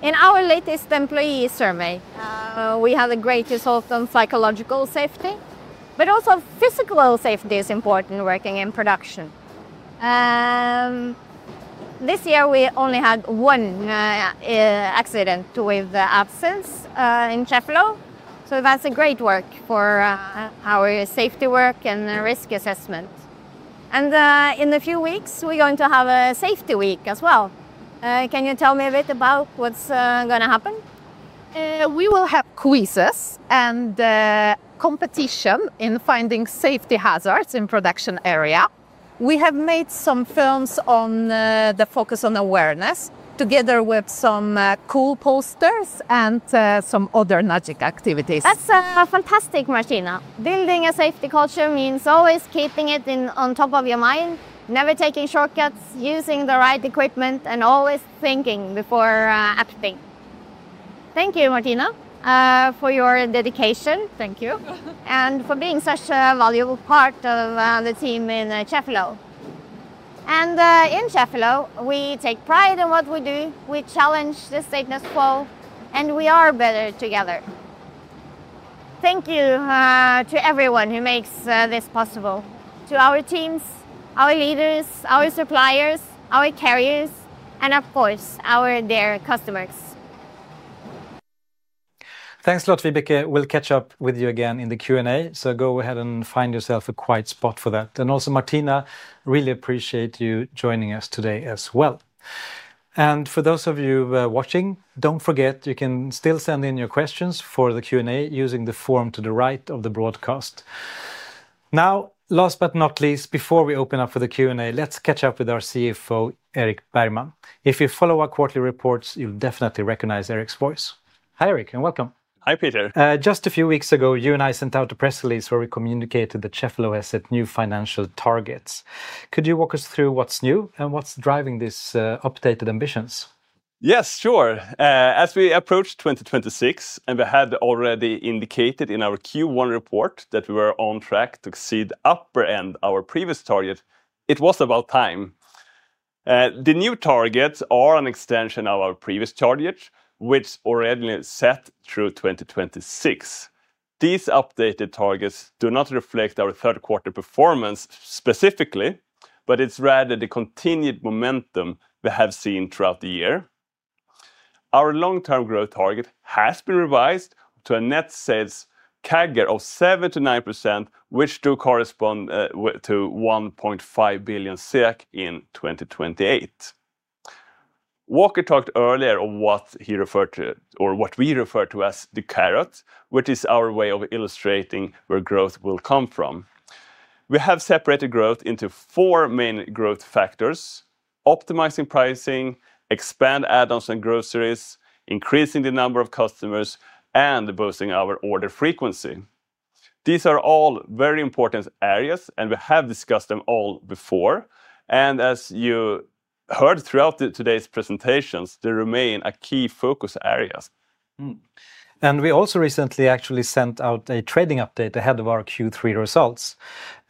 In our latest employee survey, we had a great result on psychological safety, but also physical safety is important working in production. This year, we only had one accident with absence in Cheffelo. That's great work for our safety work and risk assessment. In a few weeks, we're going to have a safety week as well. Can you tell me a bit about what's going to happen? We will have quizzes and competition in finding safety hazards in the production area. We have made some films on the focus on awareness, together with some cool posters and some other magic activities. That's fantastic, Martina. Building a safety culture means always keeping it on top of your mind, never taking shortcuts, using the right equipment, and always thinking before acting. Thank you, Martina, for your dedication. Thank you. you for being such a valuable part of the team in Cheffelo. At Cheffelo, we take pride in what we do. We challenge the status quo, and we are better together. Thank you to everyone who makes this possible, to our teams, our leaders, our suppliers, our carriers, and of course, our dear customers. Thanks a lot, Vibeke. We'll catch up with you again in the Q&A. Go ahead and find yourself a quiet spot for that. Also, Martina, really appreciate you joining us today as well. For those of you watching, don't forget, you can still send in your questions for the Q&A using the form to the right of the broadcast. Now, last but not least, before we open up for the Q&A, let's catch up with our CFO, Erik Bergman. If you follow our quarterly reports, you'll definitely recognize Erik's voice. Hi, Erik, and welcome. Hi, Peter. Just a few weeks ago, you and I sent out a press release where we communicated that Cheffelo has set new financial targets. Could you walk us through what's new and what's driving these updated ambitions? Yes, sure. As we approach 2026, and we had already indicated in our Q1 report that we were on track to exceed the upper end of our previous target, it was about time. The new targets are an extension of our previous targets, which were already set through 2026. These updated targets do not reflect our third quarter performance specifically, but it's rather the continued momentum we have seen throughout the year. Our long-term growth target has been revised to a net sales CAGR of 79%, which does correspond to 1.5 billion SEK in 2028. Walker talked earlier on what he referred to, or what we refer to as the carrot, which is our way of illustrating where growth will come from. We have separated growth into four main growth factors: optimizing pricing, expanding add-ons and groceries, increasing the number of customers, and boosting our order frequency. These are all very important areas, and we have discussed them all before. As you heard throughout today's presentations, they remain a key focus area. We also recently actually sent out a trading update ahead of our Q3 results.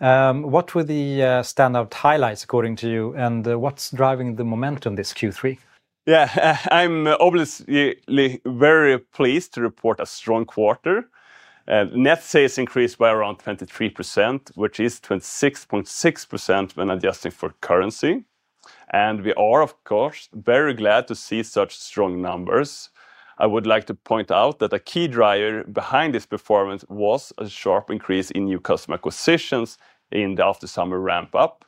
What were the standout highlights according to you, and what's driving the momentum this Q3? Yeah, I'm obviously very pleased to report a strong quarter. Net sales increased by around 23%, which is 26.6% when adjusting for currency. We are, of course, very glad to see such strong numbers. I would like to point out that a key driver behind this performance was a sharp increase in new customer acquisitions in the after-summer ramp-up,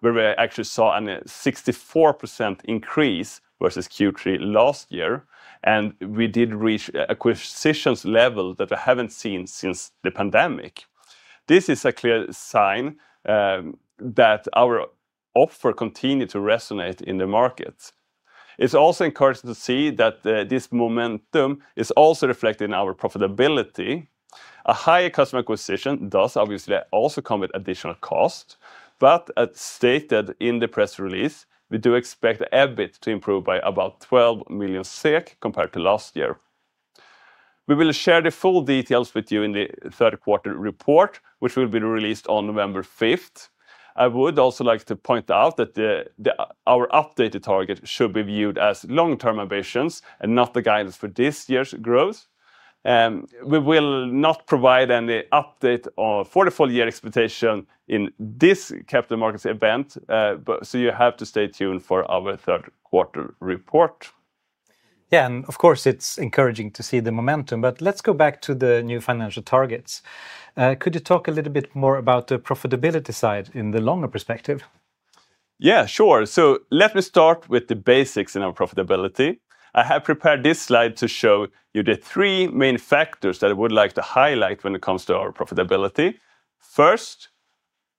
where we actually saw a 64% increase versus Q3 last year. We did reach acquisition levels that we haven't seen since the pandemic. This is a clear sign that our offer continues to resonate in the markets. It's also encouraging to see that this momentum is also reflected in our profitability. A higher customer acquisition does obviously also come with additional costs. As stated in the press release, we do expect EBIT to improve by about 12 million SEK compared to last year. We will share the full details with you in the third quarter report, which will be released on November 5th. I would also like to point out that our updated target should be viewed as long-term ambitions and not the guidance for this year's growth. We will not provide any update for the full year expectation in this Capital Markets event, so you have to stay tuned for our third quarter report. Yeah, of course, it's encouraging to see the momentum. Let's go back to the new financial targets. Could you talk a little bit more about the profitability side in the longer perspective? Yeah, sure. Let me start with the basics in our profitability. I have prepared this slide to show you the three main factors that I would like to highlight when it comes to our profitability. First,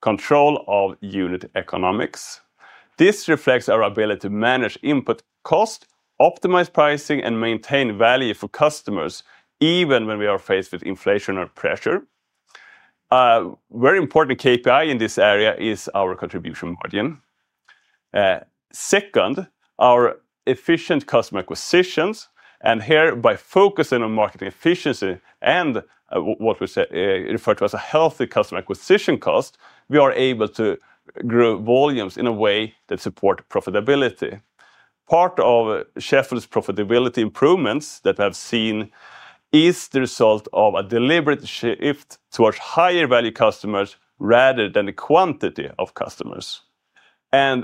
control of unit economics. This reflects our ability to manage input costs, optimize pricing, and maintain value for customers, even when we are faced with inflation or pressure. A very important KPI in this area is our contribution margin. Second, our efficient customer acquisitions, and here, by focusing on marketing efficiency and what we refer to as a healthy customer acquisition cost, we are able to grow volumes in a way that supports profitability. Part of Cheffelo's profitability improvements that we have seen is the result of a deliberate shift towards higher value customers rather than the quantity of customers.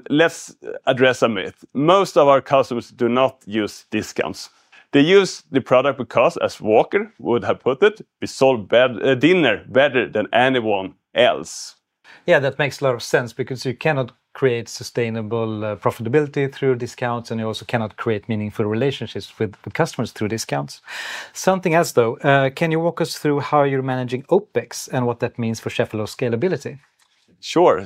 Let's address a myth. Most of our customers do not use discounts. They use the product because, as Walker would have put it, we sold dinner better than anyone else. Yeah, that makes a lot of sense because you cannot create sustainable profitability through discounts, and you also cannot create meaningful relationships with customers through discounts. Something else, though, can you walk us through how you're managing OpEx and what that means for Cheffelo's scalability? Sure.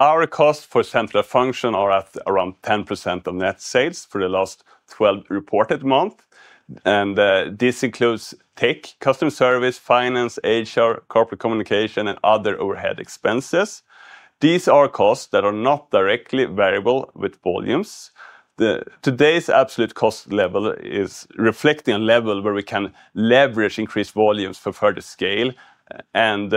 Our costs for central function are at around 10% of net sales for the last 12 reported months. The. Includes tech, customer service, finance, HR, corporate communication, and other overhead expenses. These are costs that are not directly variable with volumes. Today's absolute cost level is reflecting a level where we can leverage increased volumes for further scale, and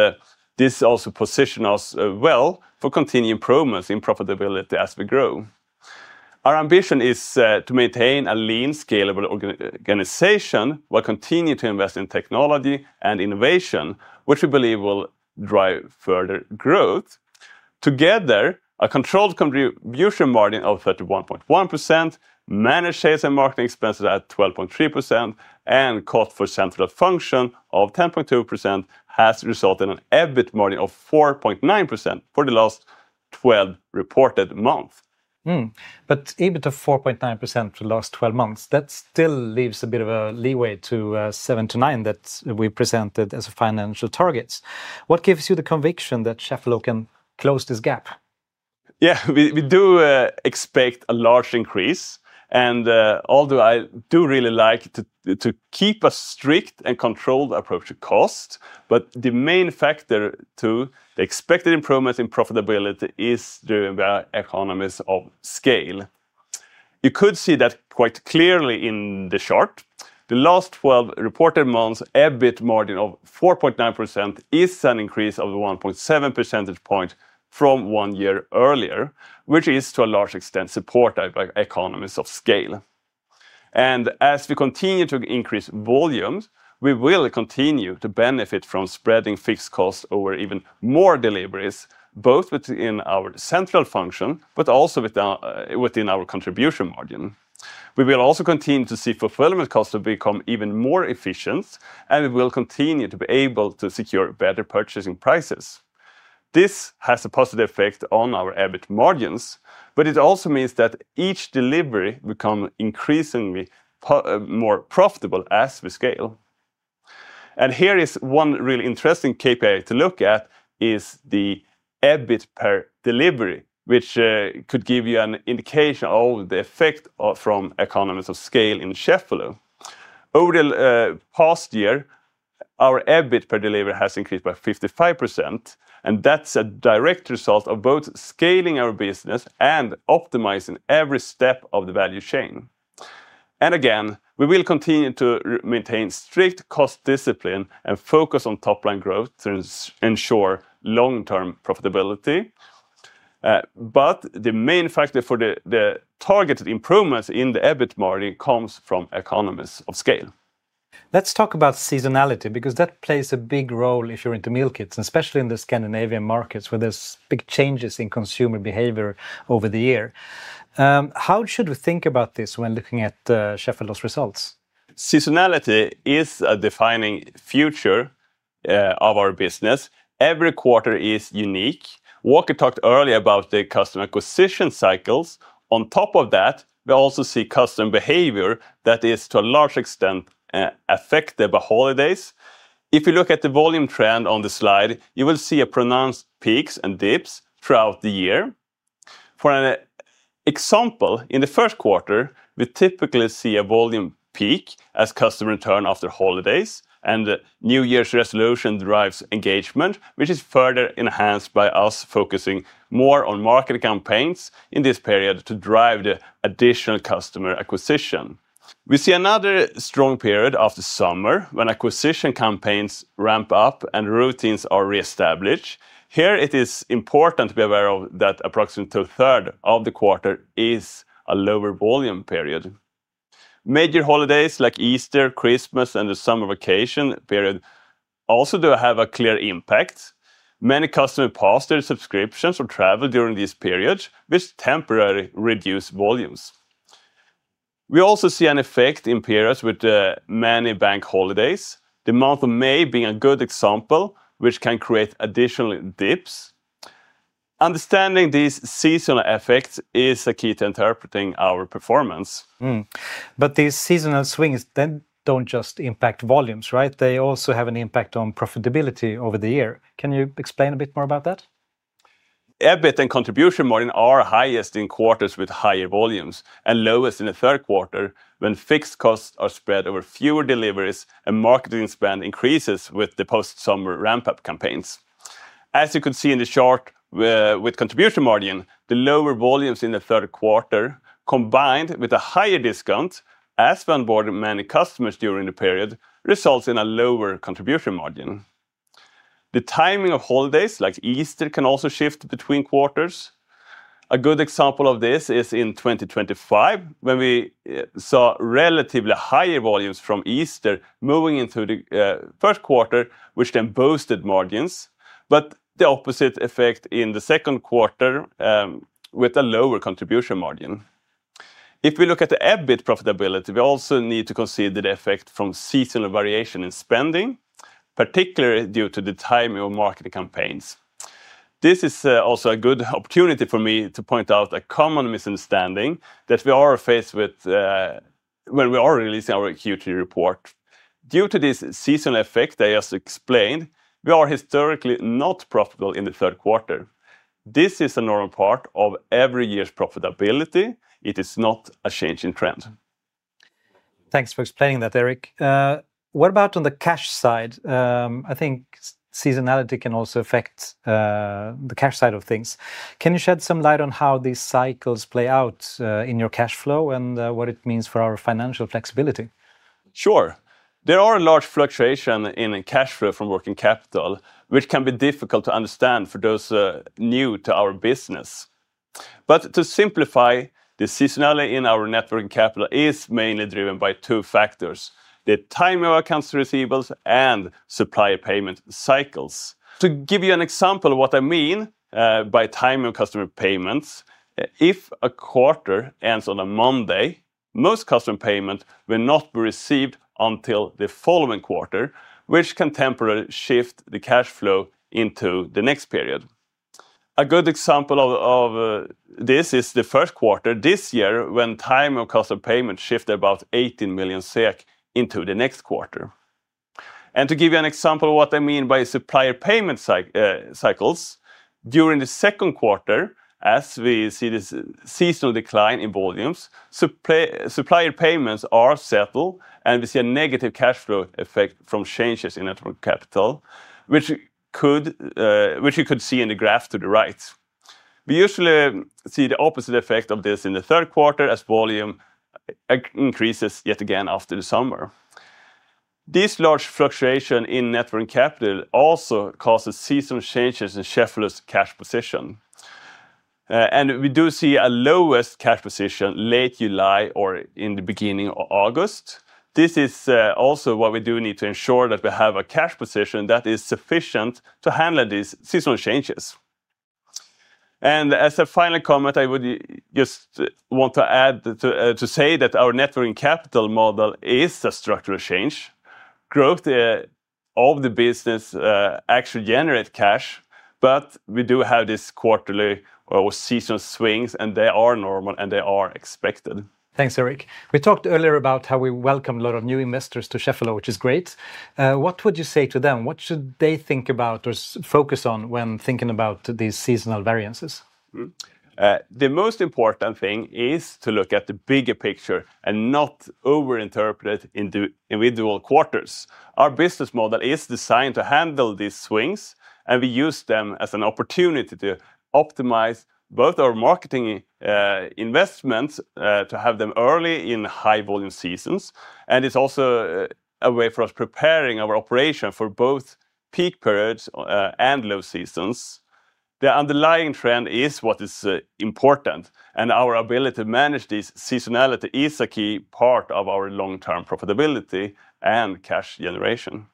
this also positions us well for continued improvements in profitability as we grow. Our ambition is to maintain a lean, scalable organization while continuing to invest in technology and innovation, which we believe will drive further growth. Together, a controlled contribution margin of 31.1%, managed sales and marketing expenses at 12.3%, and cost for central functions of 10.2% has resulted in an EBIT margin of 4.9% for the last 12 reported months. EBIT of 4.9% for the last 12 months still leaves a bit of a leeway to 7%-9% that we presented as financial targets. What gives you the conviction that Cheffelo can close this gap? Yeah, we do expect a large increase, and although I do really like to keep a strict and controlled approach to cost, the main factor to the expected improvement in profitability is the economies of scale. You could see that quite clearly in the chart. The last 12 reported months' EBIT margin of 4.9% is an increase of 1.7 percentage points from one year earlier, which is to a large extent supported by economies of scale. As we continue to increase volumes, we will continue to benefit from spreading fixed costs over even more deliveries, both within our central function and within our contribution margin. We will also continue to see fulfillment costs become even more efficient, and we will continue to be able to secure better purchasing prices. This has a positive effect on our EBIT margins, and it also means that each delivery becomes increasingly more profitable as we scale. Here is one really interesting KPI to look at: the EBIT per delivery, which could give you an indication of the effect from economies of scale in Cheffelo. Over the past year, our EBIT per delivery has increased by 55%, and that's a direct result of both scaling our business and optimizing every step of the value chain. We will continue to maintain strict cost discipline and focus on top-line growth to ensure long-term profitability. The main factor for the targeted improvements in the EBIT margin comes from economies of scale. Let's talk about seasonality, because that plays a big role if you're into meal kits, especially in the Scandinavian markets where there are big changes in consumer behavior over the year. How should we think about this when looking at Cheffelo's results? Seasonality is defining the future of our business. Every quarter is unique. Walker talked earlier about the customer acquisition cycles. On top of that, we also see customer behavior that is to a large extent affected by holidays. If you look at the volume trend on the slide, you will see pronounced peaks and dips throughout the year. For an example, in the first quarter, we typically see a volume peak as customers return after holidays, and the New Year's resolution drives engagement, which is further enhanced by us focusing more on marketing campaigns in this period to drive the additional customer acquisition. We see another strong period of the summer when acquisition campaigns ramp up and routines are reestablished. Here, it is important to be aware that approximately two-thirds of the quarter is a lower volume period. Major holidays like Easter, Christmas, and the summer vacation period also do have a clear impact. Many customers pause their subscriptions or travel during these periods, which temporarily reduce volumes. We also see an effect in periods with many bank holidays, the month of May being a good example, which can create additional dips. Understanding these seasonal effects is key to interpreting our performance. These seasonal swings don't just impact volumes, right? They also have an impact on profitability over the year. Can you explain a bit more about that? EBIT and contribution margins are highest in quarters with higher volumes and lowest in the third quarter when fixed costs are spread over fewer deliveries and marketing spend increases with the post-summer ramp-up campaigns. As you could see in the chart with contribution margins, the lower volumes in the third quarter combined with a higher discount, as we onboard many customers during the period, result in a lower contribution margin. The timing of holidays like Easter can also shift between quarters. A good example of this is in 2025, when we saw relatively higher volumes from Easter moving into the first quarter, which then boosted margins, but the opposite effect in the second quarter with a lower contribution margin. If we look at the EBIT profitability, we also need to consider the effect from seasonal variation in spending, particularly due to the timing of marketing campaigns. This is also a good opportunity for me to point out a common misunderstanding that we are faced with when we are releasing our Q3 report. Due to this seasonal effect that I just explained, we are historically not profitable in the third quarter. This is a normal part of every year's profitability, it is not a change in trend. Thanks for explaining that, Erik. What about on the cash side? I think seasonality can also affect the cash side of things. Can you shed some light on how these cycles play out in your cash flow and what it means for our financial flexibility? Sure. There are large fluctuations in cash flow from working capital, which can be difficult to understand for those new to our business. To simplify, the seasonality in our net working capital is mainly driven by two factors: the timing of accounts receivables and supplier payment cycles. To give you an example of what I mean by timing of customer payments, if a quarter ends on a Monday, most customer payments will not be received until the following quarter, which can temporarily shift the cash flow into the next period. A good example of this is the first quarter this year when the timing of customer payments shifted about 18 million SEK into the next quarter. To give you an example of what I mean by supplier payment cycles, during the second quarter, as we see the seasonal decline in volumes, supplier payments are settled, and we see a negative cash flow effect from changes in net working capital, which you could see in the graph to the right. We usually see the opposite effect of this in the third quarter as volume increases yet again after the summer. This large fluctuation in net working capital also causes seasonal changes in Cheffelo's cash position. We do see a lowest cash position late July or in the beginning of August. This is also why we do need to ensure that we have a cash position that is sufficient to handle these seasonal changes. As a final comment, I would just want to add to say that our net working capital model is a structural change. Growth of the business actually generates cash, but we do have these quarterly or seasonal swings, and they are normal and they are expected. Thanks, Erik. We talked earlier about how we welcome a lot of new investors to Cheffelo, which is great. What would you say to them? What should they think about or focus on when thinking about these seasonal variances? The most important thing is to look at the bigger picture and not over-interpret it in individual quarters. Our business model is designed to handle these swings, and we use them as an opportunity to optimize both our marketing investments to have them early in high-volume seasons. It's also a way for us to prepare our operation for both peak periods and low seasons. The underlying trend is what is important, and our ability to manage this seasonality is a key part of our long-term profitability and cash generation.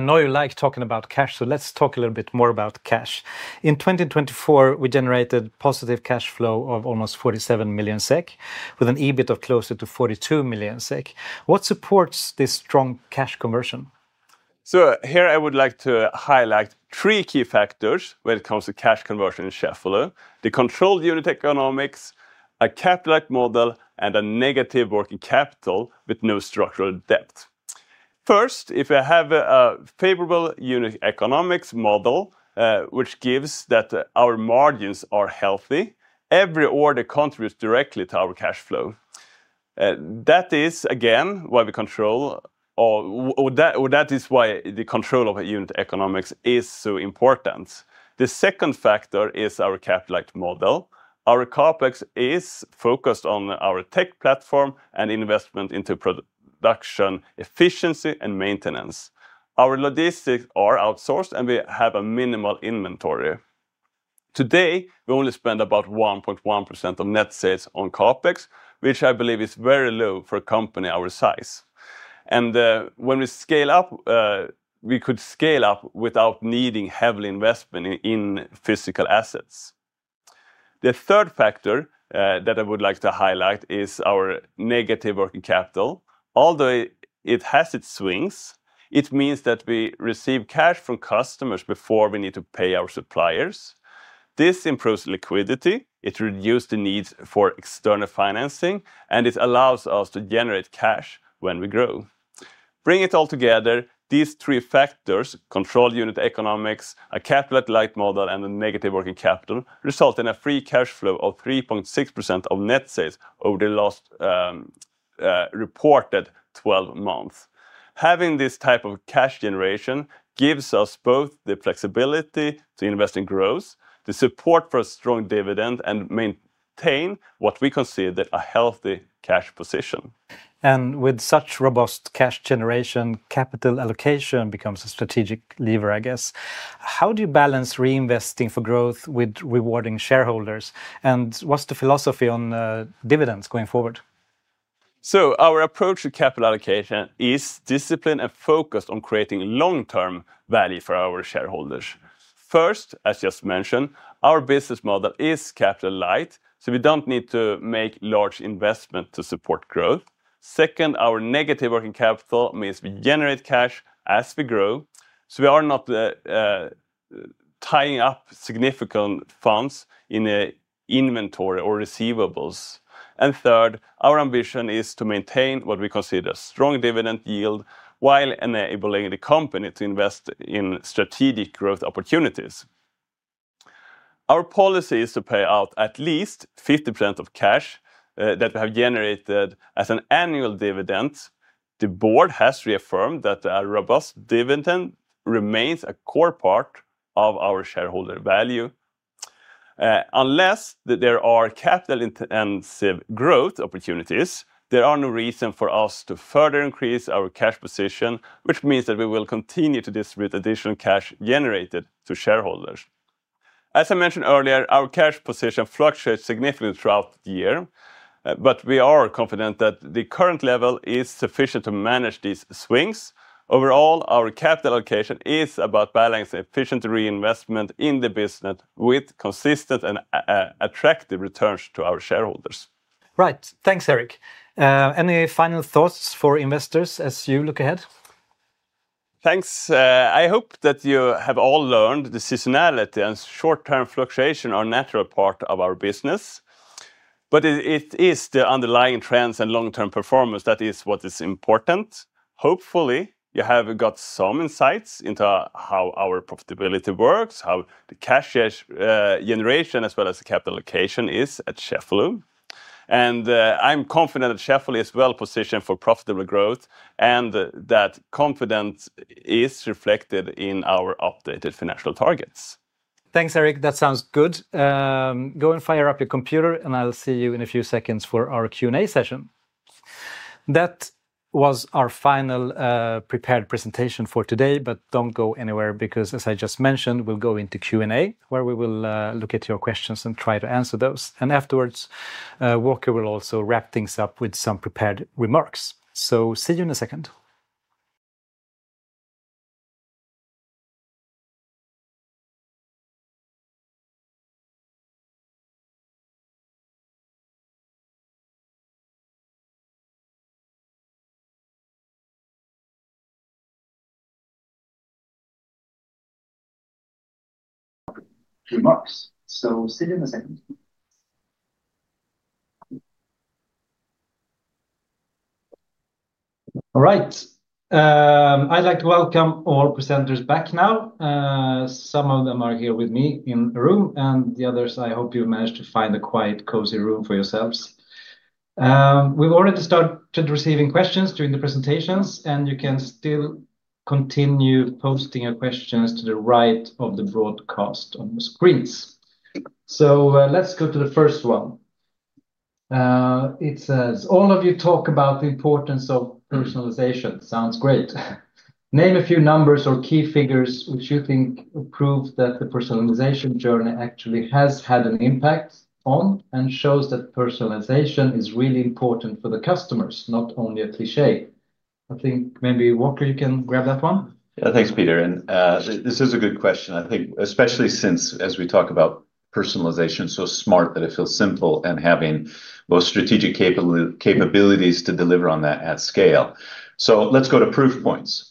Now you like talking about cash, so let's talk a little bit more about cash. In 2024, we generated positive cash flow of almost 47 million SEK, with an EBIT of closer to 42 million SEK. What supports this strong cash conversion? Here I would like to highlight three key factors when it comes to cash conversion in Cheffelo: the controlled unit economics, a capital-light model, and a negative working capital with no structural debt. First, if we have a favorable unit economics model, which gives that our margins are healthy, every order contributes directly to our cash flow. That is, again, why we control, or that is why the control of unit economics is so important. The second factor is our capital-light model. Our core focus is on our tech platform and investment into production efficiency and maintenance. Our logistics are outsourced, and we have a minimal inventory. Today, we only spend about 1.1% of net sales on core tech, which I believe is very low for a company our size. When we scale up, we could scale up without needing heavy investment in physical assets. The third factor that I would like to highlight is our negative working capital. Although it has its swings, it means that we receive cash from customers before we need to pay our suppliers. This improves liquidity, it reduces the need for external financing, and it allows us to generate cash when we grow. Bringing it all together, these three factors—controlled unit economics, a capital-light model, and a negative working capital—result in a free cash flow of 3.6% of net sales over the last reported 12 months. Having this type of cash generation gives us both the flexibility to invest in growth, the support for a strong dividend, and maintain what we consider a healthy cash position. With such robust cash generation, capital allocation becomes a strategic lever, I guess. How do you balance reinvesting for growth with rewarding shareholders? What's the philosophy on dividends going forward? Our approach to capital allocation is disciplined and focused on creating long-term value for our shareholders. First, as just mentioned, our business model is capital-light, so we don't need to make large investments to support growth. Second, our negative working capital means we generate cash as we grow, so we are not tying up significant funds in inventory or receivables. Third, our ambition is to maintain what we consider a strong dividend yield while enabling the company to invest in strategic growth opportunities. Our policy is to pay out at least 50% of cash that we have generated as an annual dividend. The board has reaffirmed that a robust dividend remains a core part of our shareholder value. Unless there are capital-intensive growth opportunities, there is no reason for us to further increase our cash position, which means that we will continue to distribute additional cash generated to shareholders. As I mentioned earlier, our cash position fluctuates significantly throughout the year, but we are confident that the current level is sufficient to manage these swings. Overall, our capital allocation is about balancing efficient reinvestment in the business with consistent and attractive returns to our shareholders. Right, thanks, Erik. Any final thoughts for investors as you look ahead? Thanks. I hope that you have all learned that seasonality and short-term fluctuations are a natural part of our business, but it is the underlying trends and long-term performance that is what is important. Hopefully, you have got some insights into how our profitability works, how the cash generation, as well as the capital allocation, is at Cheffelo. I'm confident that Cheffelo is well positioned for profitable growth and that confidence is reflected in our updated financial targets. Thanks, Erik. That sounds good. Go and fire up your computer, and I'll see you in a few seconds for our Q&A session. That was our final prepared presentation for today, but don't go anywhere because, as I just mentioned, we'll go into Q&A where we will look at your questions and try to answer those. Afterwards, Walker will also wrap things up with some prepared remarks. See you in a second. Remarks. See you in a second. All right. I'd like to welcome all presenters back now. Some of them are here with me in a room, and the others, I hope you managed to find a quiet, cozy room for yourselves. We've already started receiving questions during the presentations, and you can still continue posting your questions to the right of the broadcast on the screens. Let's go to the first one. It says, "All of you talk about the importance of personalization." Sounds great. "Name a few numbers or key figures which you think prove that the personalization journey actually has had an impact on and shows that personalization is really important for the customers, not only a cliché." I think maybe Walker, you can grab that one. Yeah, thanks, Peter. This is a good question. I think especially since, as we talk about personalization, it's so smart that it feels simple and having both strategic capabilities to deliver on that at scale. Let's go to proof points.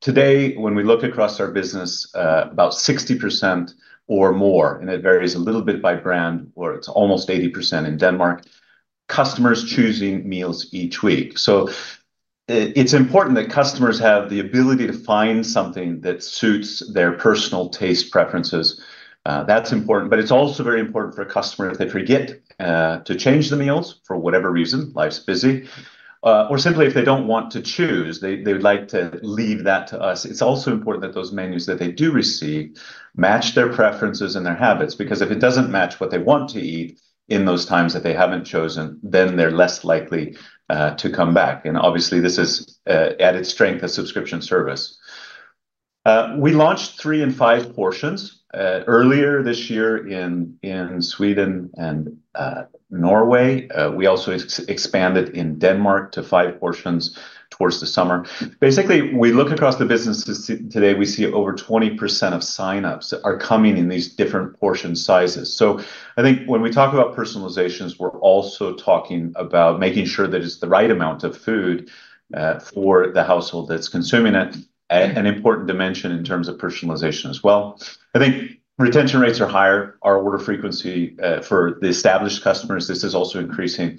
Today, when we look across our business, about 60% or more, and it varies a little bit by brand, where it's almost 80% in Denmark, customers are choosing meals each week. It's important that customers have the ability to find something that suits their personal taste preferences. That's important, but it's also very important for a customer if they forget to change the meals for whatever reason, life's busy, or simply if they don't want to choose, they would like to leave that to us. It's also important that those menus that they do receive match their preferences and their habits, because if it doesn't match what they want to eat in those times that they haven't chosen, then they're less likely to come back. Obviously, this is added strength to a subscription service. We launched three and five portions earlier this year in Sweden and Norway. We also expanded in Denmark to five portions towards the summer. Basically, we look across the businesses today, we see over 20% of sign-ups are coming in these different portion sizes. I think when we talk about personalization, we're also talking about making sure that it's the right amount of food for the household that's consuming it, an important dimension in terms of personalization as well. I think retention rates are higher. Our order frequency for the established customers, this is also increasing.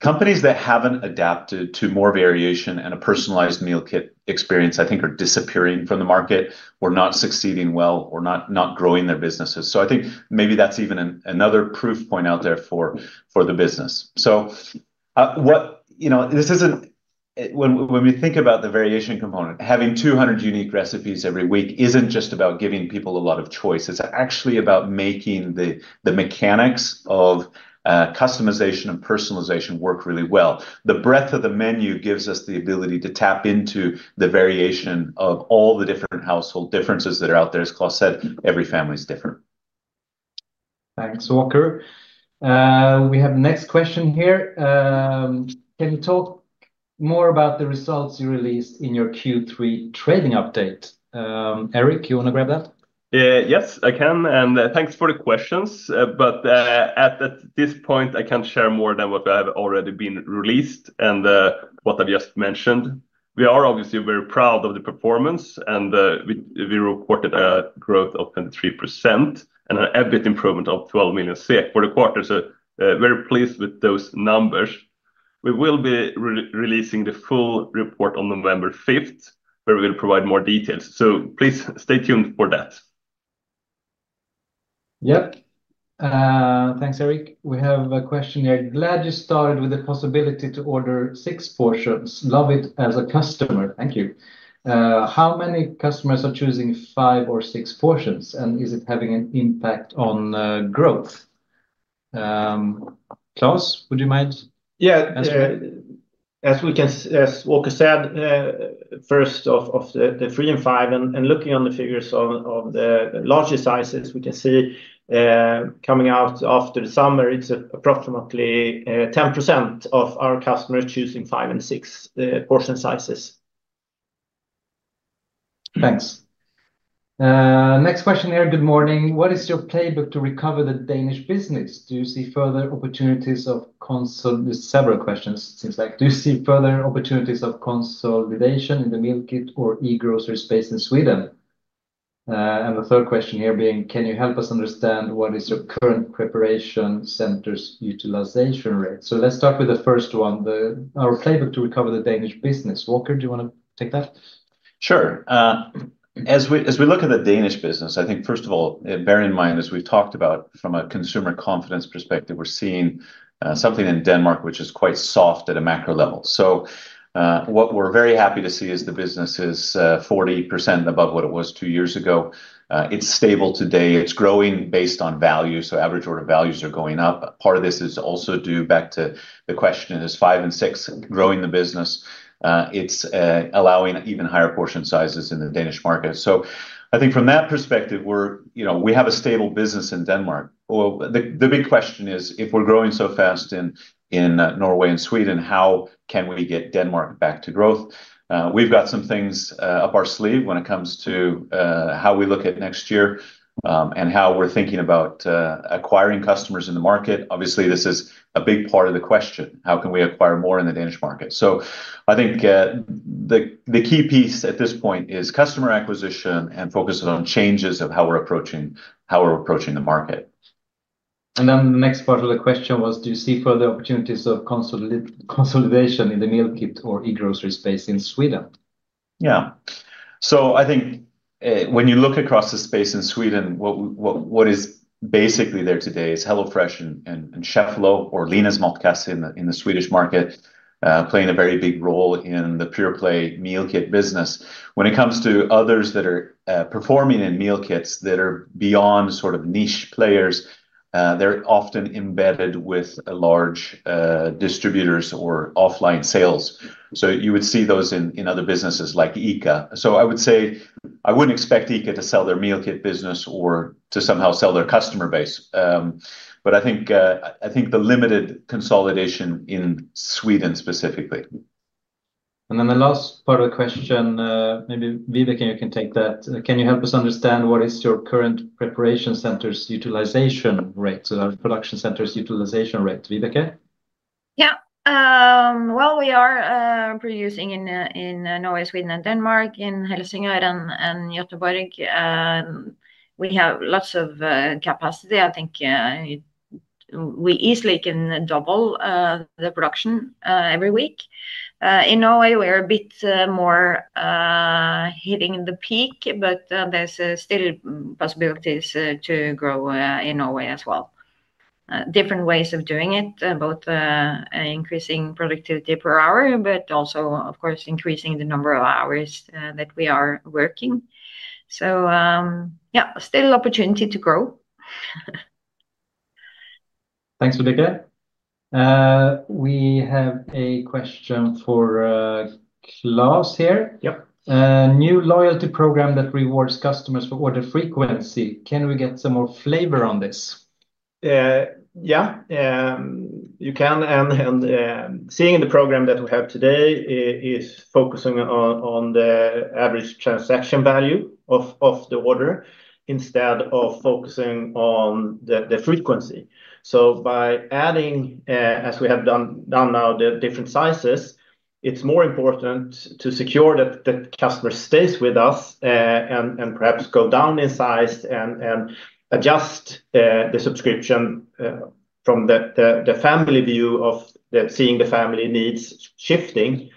Companies that haven't adapted to more variation and a personalized meal kit experience, I think, are disappearing from the market or not succeeding well or not growing their businesses. Maybe that's even another proof point out there for the business. When we think about the variation component, having 200 unique recipes every week isn't just about giving people a lot of choice. It's actually about making the mechanics of customization and personalization work really well. The breadth of the menu gives us the ability to tap into the variation of all the different household differences that are out there. As Claes said, every family is different. Thanks, Walker. We have the next question here. "Can you talk more about the results you released in your Q3 trading update?" Erik, you want to grab that? Yes, I can, and thanks for the questions, but at this point, I can't share more than what we have already released and what I've just mentioned. We are obviously very proud of the performance, and we reported a growth of 23% and an EBIT improvement of 12 million SEK for the quarter, so very pleased with those numbers. We will be releasing the full report on November 5th, where we'll provide more details, so please stay tuned for that. Yep. Thanks, Erik. We have a question here. "Glad you started with the possibility to order six portions. Love it as a customer." Thank you. "How many customers are choosing five or six portions, and is it having an impact on growth?" Claes, would you mind? Yeah, as Walker said, first of the three and five, and looking on the figures of the larger sizes, we can see coming out after the summer, it's approximately 10% of our customers choosing five and six portion sizes. Thanks. Next question here. "Good morning. What is your playbook to recover the Danish business? Do you see further opportunities of..." There are several questions, it seems like. "Do you see further opportunities of consolidation in the meal kit or e-grocery space in Sweden?" The third question here is, "Can you help us understand what is your current preparation center's utilization rate?" Let's start with the first one, our playbook to recover the Danish business. Walker, do you want to take that? Sure. As we look at the Danish business, I think first of all, bear in mind, as we've talked about, from a consumer confidence perspective, we're seeing something in Denmark, which is quite soft at a macro level. What we're very happy to see is the business is 40% and above what it was two years ago. It's stable today. It's growing based on value, so average order values are going up. Part of this is also due back to the question, is five and six growing the business? It's allowing even higher portion sizes in the Danish market. I think from that perspective, we have a stable business in Denmark. The big question is, if we're growing so fast in Norway and Sweden, how can we get Denmark back to growth? We've got some things up our sleeve when it comes to how we look at next year and how we're thinking about acquiring customers in the market. Obviously, this is a big part of the question. How can we acquire more in the Danish market? I think the key piece at this point is customer acquisition and focusing on changes of how we're approaching the market. The next part of the question was, "Do you see further opportunities of consolidation in the meal kit or e-grocery space in Sweden? Yeah. I think when you look across the space in Sweden, what is basically there today is HelloFresh and Cheffelo, or Linas Matkasse in the Swedish market, playing a very big role in the pure-play meal kit business. When it comes to others that are performing in meal kits that are beyond sort of niche players, they're often embedded with large distributors or offline sales. You would see those in other businesses like ICA. I would say I wouldn't expect ICA to sell their meal kit business or to somehow sell their customer base, but I think the limited consolidation in Sweden specifically. The last part of the question, maybe Vibeke, you can take that. "Can you help us understand what is your current preparation center's utilization rate?" Our production center's utilization rate, Vibeke. We are producing in Norway, Sweden, and Denmark, in Helsingör and Göteborg. We have lots of capacity. I think we easily can double the production every week. In Norway, we are a bit more hitting the peak, but there's still possibilities to grow in Norway as well. Different ways of doing it, both increasing productivity per hour, but also, of course, increasing the number of hours that we are working. Yeah, still opportunity to grow. Thanks, Vibeke. We have a question for Claes here. Yep. A new loyalty program that rewards customers for order frequency. Can we get some more flavor on this? You can. Seeing the program that we have today is focusing on the average transaction value of the order instead of focusing on the frequency. By adding, as we have done now, the different sizes, it's more important to secure that the customer stays with us and perhaps go down in size and adjust the subscription from the family view of seeing the family needs shifting.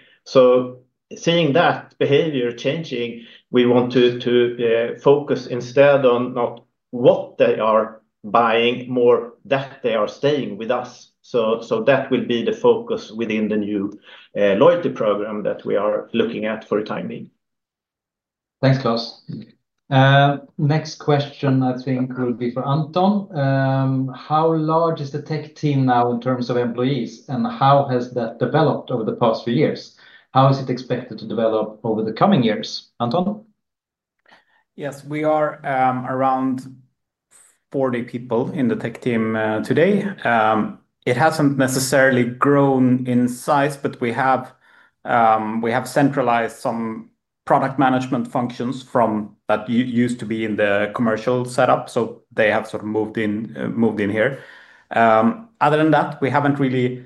Seeing that behavior changing, we want to focus instead on not what they are buying, more that they are staying with us. That will be the focus within the new loyalty program that we are looking at for the time being. Thanks, Claes. Next question, I think, will be for Anton. "How large is the tech team now in terms of employees, and how has that developed over the past few years? How is it expected to develop over the coming years?" Anton? Yes, we are around 40 people in the tech team today. It hasn't necessarily grown in size, but we have centralized some product management functions that used to be in the commercial setup, so they have sort of moved in here. Other than that, we haven't really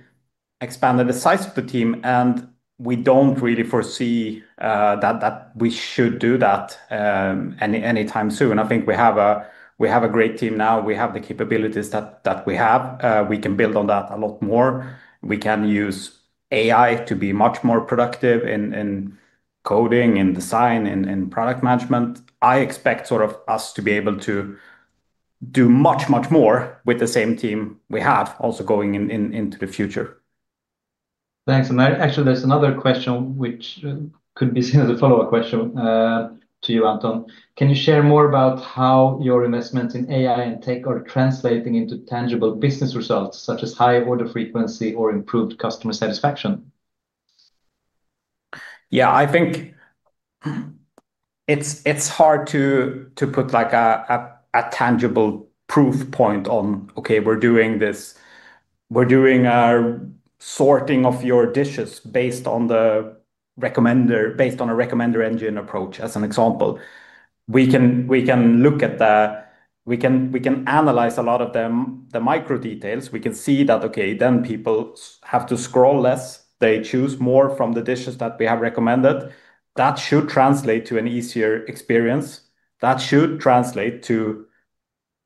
expanded the size of the team, and we don't really foresee that we should do that anytime soon. I think we have a great team now. We have the capabilities that we have. We can build on that a lot more. We can use AI to be much more productive in coding, in design, in product management. I expect us to be able to do much, much more with the same team we have also going into the future. Thanks. Actually, there's another question which could be seen as a follow-up question to you, Anton. "Can you share more about how your investments in AI and tech are translating into tangible business results, such as high order frequency or improved customer satisfaction? I think it's hard to put a tangible proof point on, okay, we're doing this. We're doing a sorting of your dishes based on a recommender engine approach, as an example. We can look at that. We can analyze a lot of the micro details. We can see that, okay, people have to scroll less. They choose more from the dishes that we have recommended. That should translate to an easier experience. That should translate to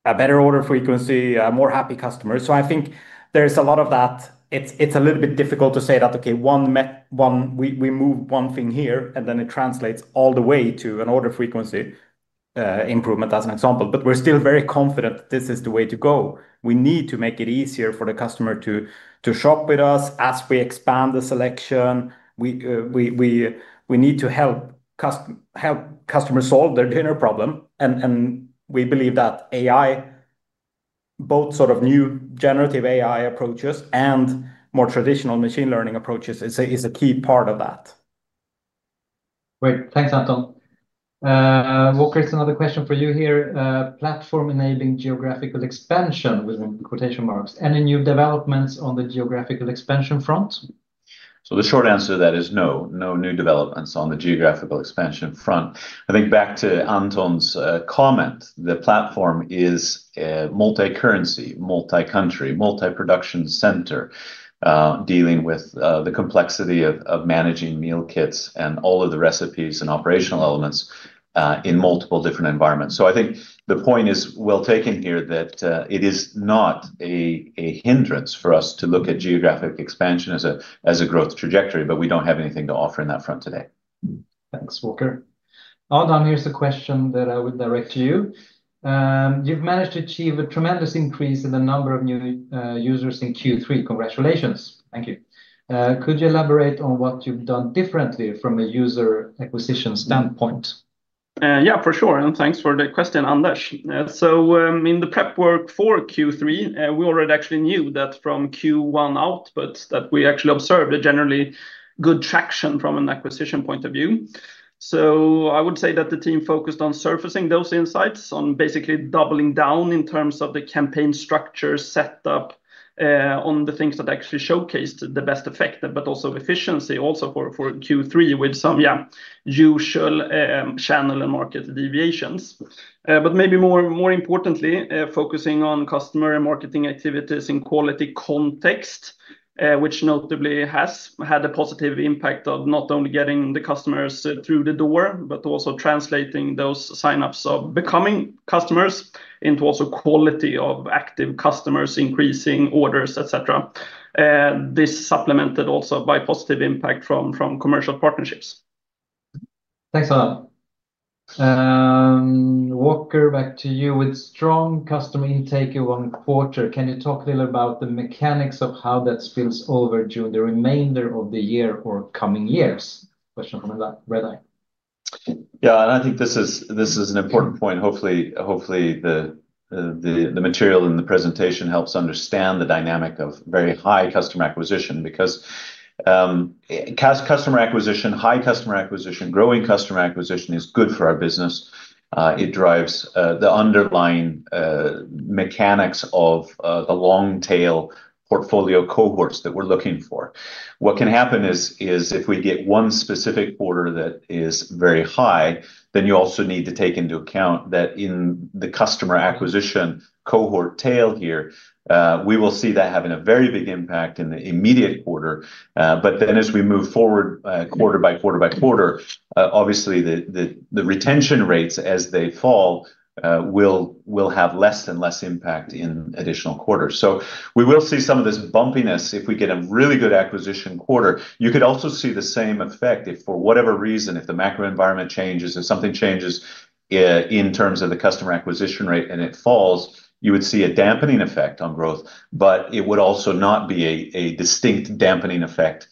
a better order frequency, a more happy customer. I think there's a lot of that. It's a little bit difficult to say that, okay, we move one thing here, and then it translates all the way to an order frequency improvement, as an example. We're still very confident that this is the way to go. We need to make it easier for the customer to shop with us as we expand the selection. We need to help customers solve their dinner problem. We believe that AI, both sort of new generative AI approaches and more traditional machine learning approaches, is a key part of that. Great. Thanks, Anton. Walker, it's another question for you here. "Platform enabling geographical expansion," within quotation marks. "Any new developments on the geographical expansion front? The short answer to that is no, no new developments on the geographical expansion front. I think back to Anton's comment, the platform is a multi-currency, multi-country, multi-production center dealing with the complexity of managing meal kits and all of the recipes and operational elements in multiple different environments. I think the point is well taken here that it is not a hindrance for us to look at geographic expansion as a growth trajectory, but we don't have anything to offer in that front today. Thanks, Walker. Anton, here's a question that I would direct to you. "You've managed to achieve a tremendous increase in the number of new users in Q3. Congratulations." Thank you. "Could you elaborate on what you've done differently from a user acquisition standpoint? Yeah, for sure. Thanks for the question, Anders. In the prep work for Q3, we already actually knew that from Q1 outputs we actually observed a generally good traction from an acquisition point of view. I would say that the team focused on surfacing those insights on basically doubling down in terms of the campaign structure, setup, on the things that actually showcased the best effect, but also efficiency for Q3 with some usual channel and market deviations. More importantly, focusing on customer and marketing activities in quality context, which notably has had a positive impact of not only getting the customers through the door, but also translating those sign-ups of becoming customers into also quality of active customers, increasing orders, etc. This was supplemented also by positive impact from commercial partnerships. Thanks for that. Walker, back to you with strong customer intake in one quarter. Can you talk a little about the mechanics of how that spills over during the remainder of the year or coming years? Question from the Redeye. Yeah, I think this is an important point. Hopefully, the material in the presentation helps understand the dynamic of very high customer acquisition because customer acquisition, high customer acquisition, growing customer acquisition is good for our business. It drives the underlying mechanics of the long-tail portfolio cohorts that we're looking for. What can happen is if we get one specific quarter that is very high, you also need to take into account that in the customer acquisition cohort tail here, we will see that having a very big impact in the immediate quarter. As we move forward quarter by quarter by quarter, obviously the retention rates, as they fall, will have less and less impact in additional quarters. We will see some of this bumpiness if we get a really good acquisition quarter. You could also see the same effect if for whatever reason, if the macro environment changes, if something changes in terms of the customer acquisition rate and it falls, you would see a dampening effect on growth, but it would also not be a distinct dampening effect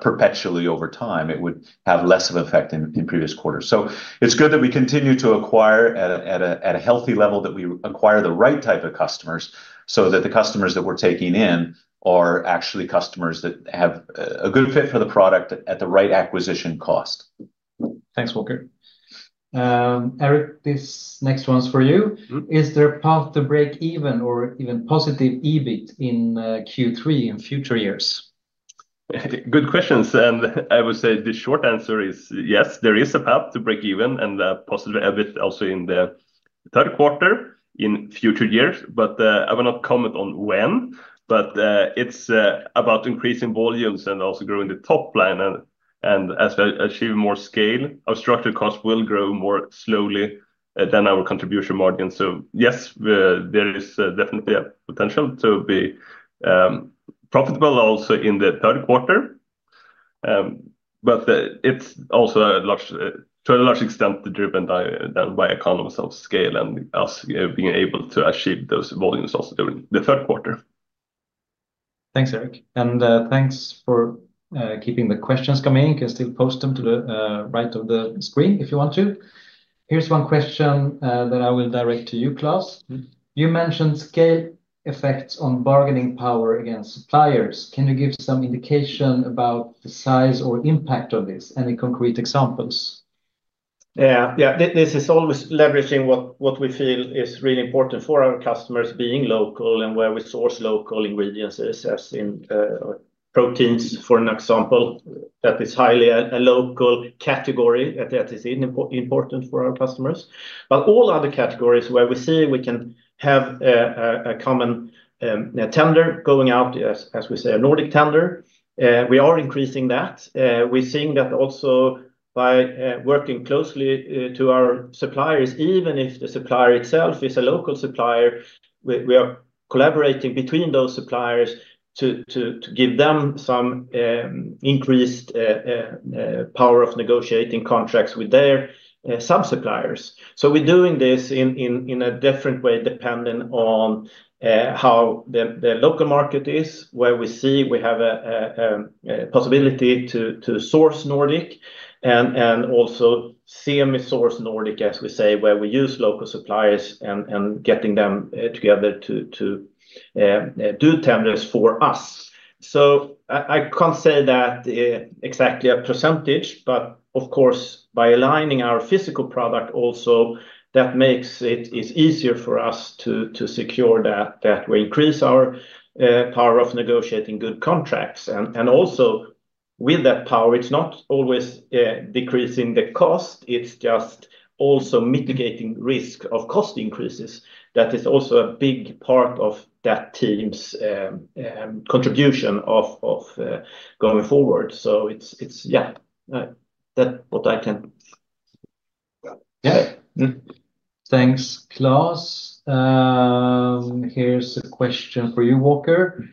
perpetually over time. It would have less of an effect in previous quarters. It's good that we continue to acquire at a healthy level, that we acquire the right type of customers so that the customers that we're taking in are actually customers that have a good fit for the product at the right acquisition cost. Thanks, Walker. Erik, this next one's for you. "Is there a path to break even or even positive EBIT in Q3 in future years? Good questions. I would say the short answer is yes, there is a path to break even and a positive EBIT also in the third quarter in future years, but I will not comment on when. It is about increasing volumes and also growing the top line. As we achieve more scale, our structured costs will grow more slowly than our contribution margins. Yes, there is definitely a potential to be profitable also in the third quarter. It is also to a large extent driven by economies of scale and us being able to achieve those volumes also during the third quarter. Thanks, Erik. Thanks for keeping the questions coming. You can still post them to the right of the screen if you want to. Here's one question that I will direct to you, Claes. "You mentioned scale effects on bargaining power against suppliers. Can you give some indication about the size or impact of this? Any concrete examples? Yeah, this is always leveraging what we feel is really important for our customers, being local and where we source local ingredients, as in proteins, for an example, that is highly a local category that is important for our customers. All other categories where we see we can have a common tender going out, as we say, a Nordic tender, we are increasing that. We're seeing that also by working closely to our suppliers, even if the supplier itself is a local supplier, we are collaborating between those suppliers to give them some increased power of negotiating contracts with their sub-suppliers. We're doing this in a different way, depending on how the local market is, where we see we have a possibility to source Nordic and also semi-source Nordic, as we say, where we use local suppliers and getting them together to do tenders for us. I can't say that exactly a percentage, but of course, by aligning our physical product also, that makes it easier for us to secure that we increase our power of negotiating good contracts. With that power, it's not always decreasing the cost. It's just also mitigating risk of cost increases. That is also a big part of that team's contribution of going forward. That's what I can. Thanks, Claes. Here's a question for you, Walker.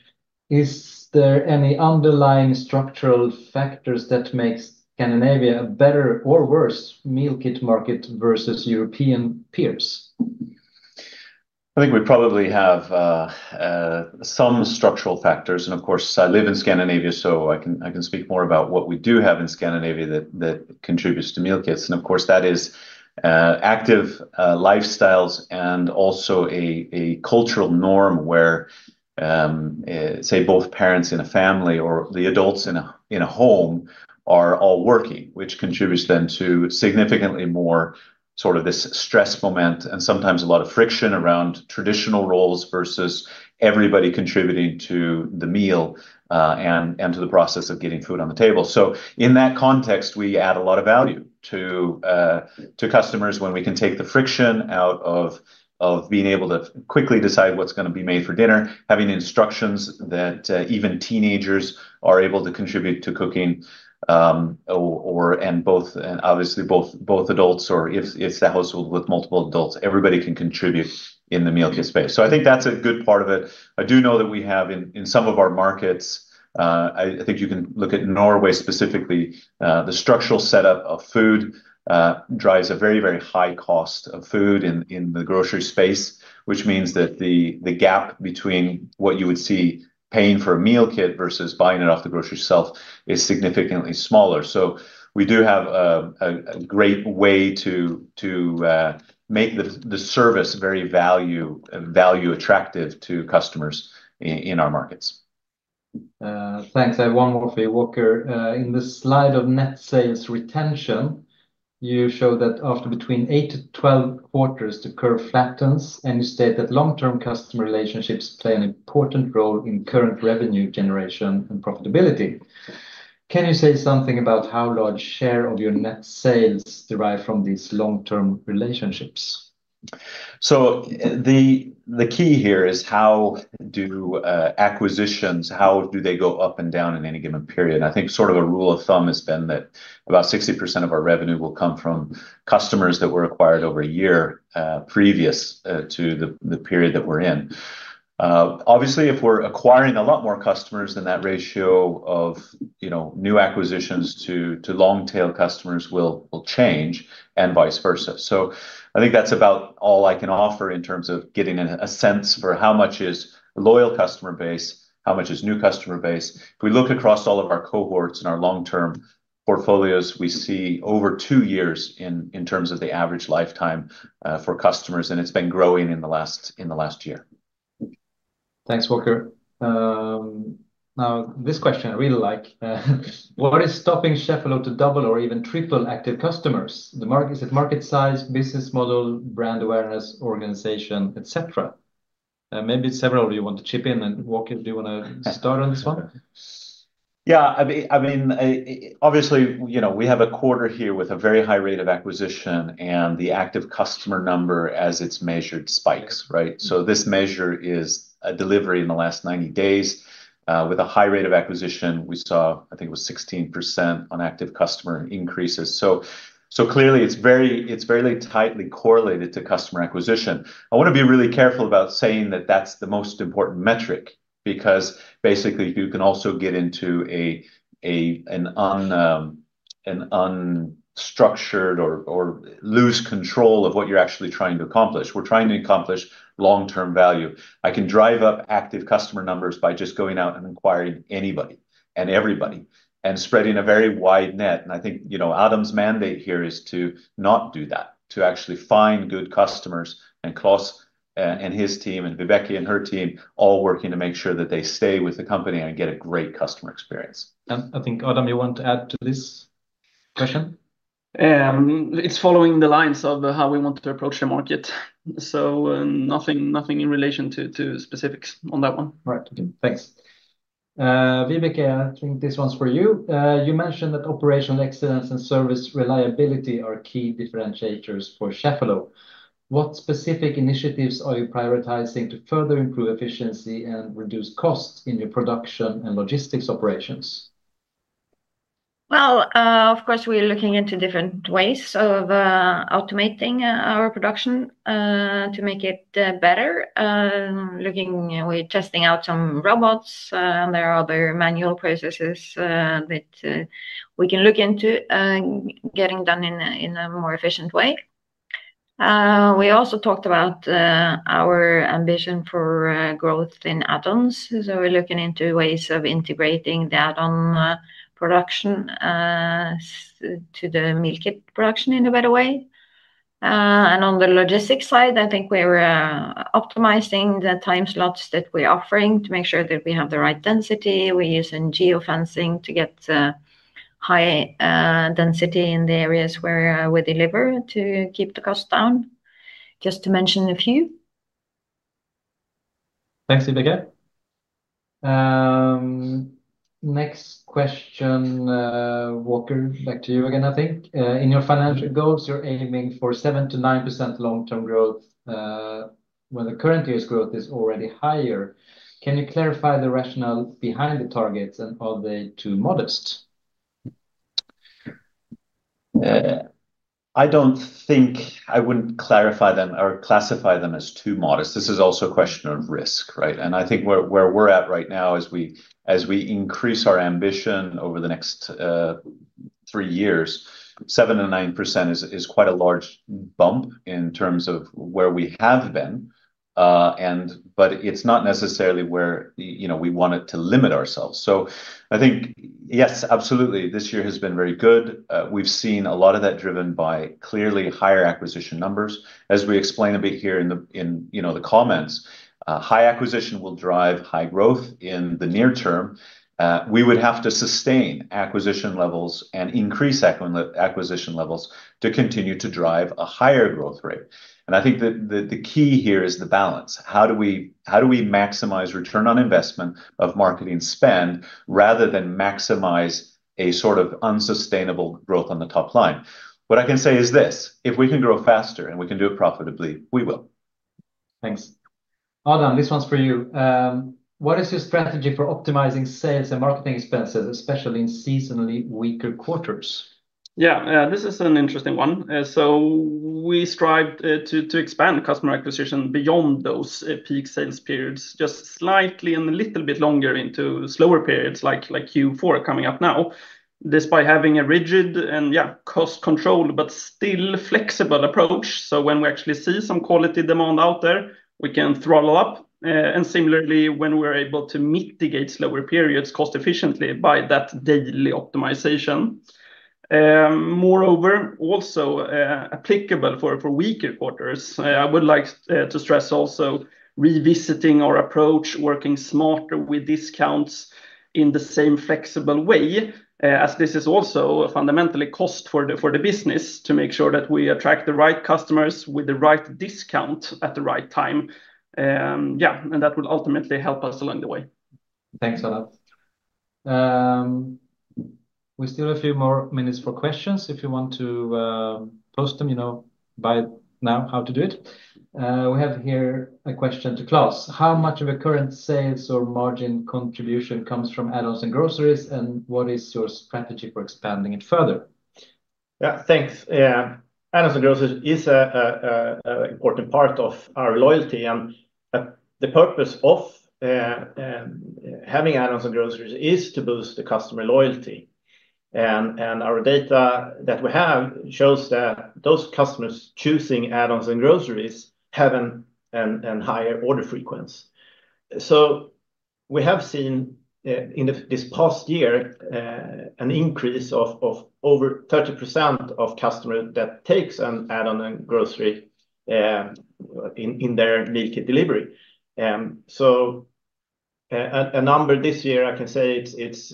"Is there any underlying structural factors that make Scandinavia a better or worse meal kit market versus European peers? I think we probably have some structural factors. Of course, I live in Scandinavia, so I can speak more about what we do have in Scandinavia that contributes to meal kits. That is active lifestyles and also a cultural norm where, say, both parents in a family or the adults in a home are all working, which contributes then to significantly more sort of this stress moment and sometimes a lot of friction around traditional roles versus everybody contributing to the meal and to the process of getting food on the table. In that context, we add a lot of value to customers when we can take the friction out of being able to quickly decide what's going to be made for dinner, having instructions that even teenagers are able to contribute to cooking, and obviously both adults or if it's a household with multiple adults, everybody can contribute in the meal kit space. I think that's a good part of it. I do know that we have in some of our markets, I think you can look at Norway specifically, the structural setup of food drives a very, very high cost of food in the grocery space, which means that the gap between what you would see paying for a meal kit versus buying it off the grocery shelf is significantly smaller. We do have a great way to make the service very value attractive to customers in our markets. Thanks. I have one more for you, Walker. In the slide of net sales retention, you show that after between eight to 12 quarters, the curve flattens, and you state that long-term customer relationships play an important role in current revenue generation and profitability. Can you say something about how large a share of your net sales derives from these long-term relationships? The key here is how do acquisitions, how do they go up and down in any given period? I think sort of a rule of thumb has been that about 60% of our revenue will come from customers that were acquired over a year previous to the period that we're in. Obviously, if we're acquiring a lot more customers, then that ratio of new acquisitions to long-tail customers will change and vice versa. I think that's about all I can offer in terms of getting a sense for how much is a loyal customer base, how much is a new customer base. If we look across all of our cohorts and our long-term portfolios, we see over two years in terms of the average lifetime for customers, and it's been growing in the last year. Thanks, Walker. Now, this question I really like. "What is stopping Cheffelo to double or even triple active customers? Is it market size, business model, brand awareness, organization, etc.?" Maybe several of you want to chip in, and Walker, do you want to start on this one? Yeah, I mean, obviously, we have a quarter here with a very high rate of acquisition, and the active customer number as it's measured spikes, right? This measure is a delivery in the last 90 days with a high rate of acquisition. We saw, I think it was 16% on active customer increases. Clearly, it's very tightly correlated to customer acquisition. I want to be really careful about saying that that's the most important metric because basically you can also get into an unstructured or loose control of what you're actually trying to accomplish. We're trying to accomplish long-term value. I can drive up active customer numbers by just going out and acquiring anybody and everybody and spreading a very wide net. I think Adam's mandate here is to not do that, to actually find good customers, and Claes and his team and Vibeke and her team all working to make sure that they stay with the company and get a great customer experience. I think, Adam, you want to add to this question? It's following the lines of how we want to approach the market, so nothing in relation to specifics on that one. Right. Okay, thanks. Vibeke, I think this one's for you. "You mentioned that operational excellence and service reliability are key differentiators for Cheffelo. What specific initiatives are you prioritizing to further improve efficiency and reduce costs in your production and logistics operations? Of course, we're looking into different ways of automating our production to make it better. We're testing out some robots, and there are other manual processes that we can look into getting done in a more efficient way. We also talked about our ambition for growth in add-ons. We're looking into ways of integrating the add-on production to the meal kit production in a better way. On the logistics side, I think we're optimizing the time slots that we're offering to make sure that we have the right density. We're using geofencing to get high density in the areas where we deliver to keep the cost down, just to mention a few. Thanks, Vibeke. Next question, Walker, back to you again, I think. "In your financial goals, you're aiming for 7%-9% long-term growth when the current year's growth is already higher. Can you clarify the rationale behind the targets and are they too modest? I don't think I would classify them as too modest. This is also a question of risk, right? I think where we're at right now is as we increase our ambition over the next three years, 7%-9% is quite a large bump in terms of where we have been, but it's not necessarily where we wanted to limit ourselves. I think, yes, absolutely, this year has been very good. We've seen a lot of that driven by clearly higher acquisition numbers. As we explain a bit here in the comments, high acquisition will drive high growth in the near term. We would have to sustain acquisition levels and increase acquisition levels to continue to drive a higher growth rate. I think that the key here is the balance. How do we maximize return on investment of marketing spend rather than maximize a sort of unsustainable growth on the top line? What I can say is this: if we can grow faster and we can do it profitably, we will. Thanks. Adam, this one's for you. "What is your strategy for optimizing sales and marketing expenses, especially in seasonally weaker quarters? Yeah, this is an interesting one. We strived to expand customer acquisition beyond those peak sales periods, just slightly and a little bit longer into slower periods, like Q4 coming up now, despite having a rigid and, yeah, cost-controlled but still flexible approach. When we actually see some quality demand out there, we can throttle up. Similarly, we're able to mitigate slower periods cost-efficiently by that daily optimization. Moreover, also applicable for weaker quarters, I would like to stress also revisiting our approach, working smarter with discounts in the same flexible way, as this is also fundamentally cost for the business to make sure that we attract the right customers with the right discount at the right time. That will ultimately help us along the way. Thanks for that. We still have a few more minutes for questions. If you want to post them, you know by now how to do it. We have here a question to Claes. "How much of your current sales or margin contribution comes from add-ons and groceries, and what is your strategy for expanding it further? Yeah, thanks. Add-ons and groceries are an important part of our loyalty, and the purpose of having add-ons and groceries is to boost the customer loyalty. Our data that we have shows that those customers choosing add-ons and groceries have a higher order frequency. We have seen in this past year an increase of over 30% of customers that take an add-on and grocery in their meal kit delivery. A number this year, I can say it's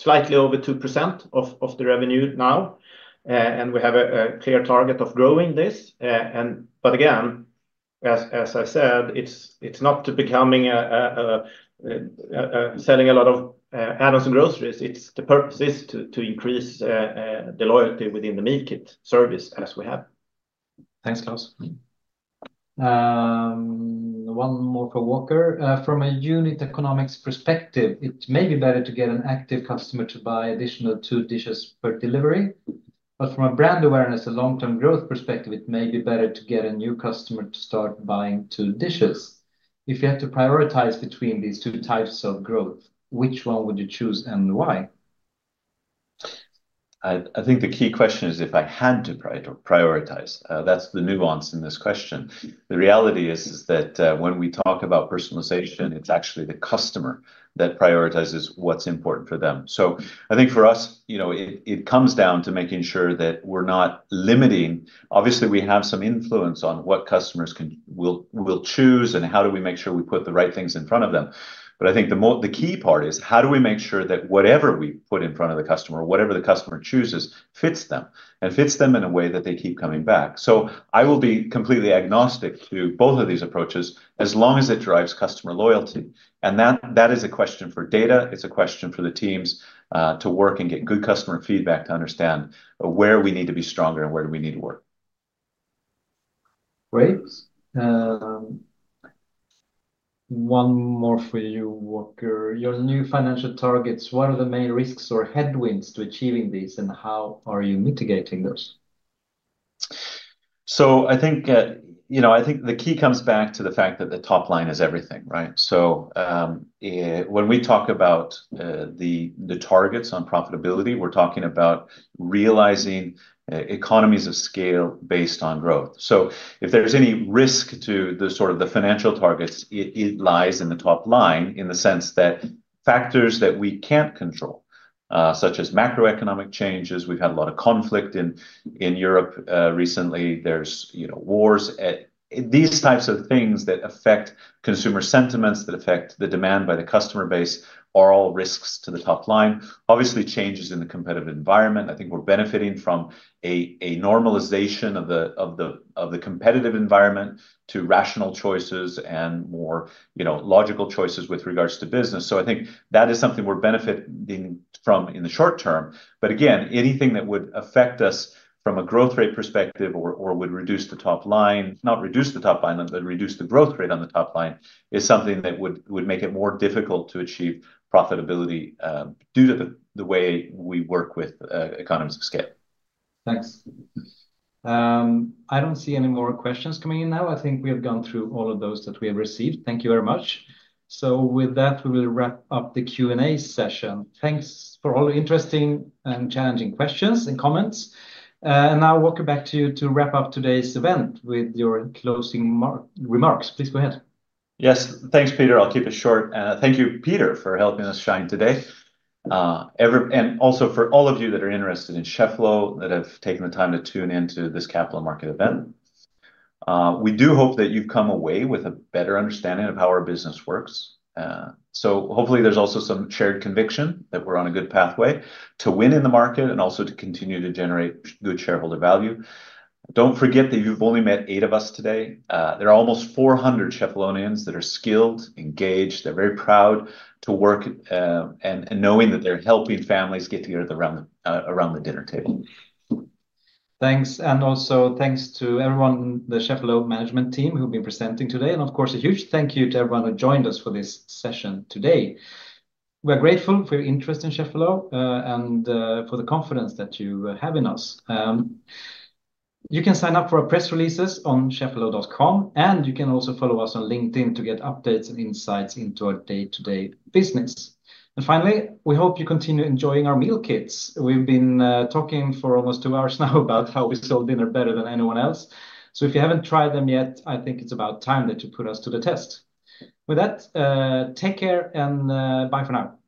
slightly over 2% of the revenue now, and we have a clear target of growing this. Again, as I said, it's not to be selling a lot of add-ons and groceries. The purpose is to increase the loyalty within the meal kit service as we have. Thanks, Claes. One more for Walker. "From a unit economics perspective, it may be better to get an active customer to buy additional two dishes per delivery, but from a brand awareness and long-term growth perspective, it may be better to get a new customer to start buying two dishes. If you had to prioritize between these two types of growth, which one would you choose and why? I think the key question is if I had to prioritize. That's the nuance in this question. The reality is that when we talk about personalization, it's actually the customer that prioritizes what's important for them. I think for us, it comes down to making sure that we're not limiting. Obviously, we have some influence on what customers will choose and how do we make sure we put the right things in front of them. I think the key part is how do we make sure that whatever we put in front of the customer, whatever the customer chooses, fits them and fits them in a way that they keep coming back. I will be completely agnostic to both of these approaches as long as it drives customer loyalty. That is a question for data. It's a question for the teams to work and get good customer feedback to understand where we need to be stronger and where do we need to work. Great. One more for you, Walker. "Your new financial targets, what are the main risks or headwinds to achieving these, and how are you mitigating those? I think the key comes back to the fact that the top line is everything, right? When we talk about the targets on profitability, we're talking about realizing economies of scale based on growth. If there's any risk to the sort of the financial targets, it lies in the top line in the sense that factors that we can't control, such as macroeconomic changes, we've had a lot of conflict in Europe recently. There's wars. These types of things that affect consumer sentiments, that affect the demand by the customer base, are all risks to the top line. Obviously, changes in the competitive environment. I think we're benefiting from a normalization of the competitive environment to rational choices and more logical choices with regards to business. I think that is something we're benefiting from in the short term. Again, anything that would affect us from a growth rate perspective or would reduce the top line, not reduce the top line, but reduce the growth rate on the top line, is something that would make it more difficult to achieve profitability due to the way we work with economies of scale. Thanks. I don't see any more questions coming in now. I think we have gone through all of those that we have received. Thank you very much. With that, we will wrap up the Q&A session. Thanks for all the interesting and challenging questions and comments. Walker, back to you to wrap up today's event with your closing remarks. Please go ahead. Yes, thanks, Peter. I'll keep it short. Thank you, Peter, for helping us shine today. Thank you also for all of you that are interested in Cheffelo, that have taken the time to tune in to this capital market event. We do hope that you've come away with a better understanding of how our business works. Hopefully, there's also some shared conviction that we're on a good pathway to win in the market and also to continue to generate good shareholder value. Don't forget that you've only met eight of us today. There are almost 400 Cheffelonians that are skilled, engaged, and very proud to work knowing that they're helping families get together around the dinner table. Thanks. Thanks to everyone in the Cheffelo management team who've been presenting today. Of course, a huge thank you to everyone who joined us for this session today. We're grateful for your interest in Cheffelo and for the confidence that you have in us. You can sign up for our press releases on cheffelo.com, and you can also follow us on LinkedIn to get updates and insights into our day-to-day business. Finally, we hope you continue enjoying our meal kits. We've been talking for almost two hours now about how we sell dinner better than anyone else. If you haven't tried them yet, I think it's about time that you put us to the test. With that, take care and bye for now. Thanks.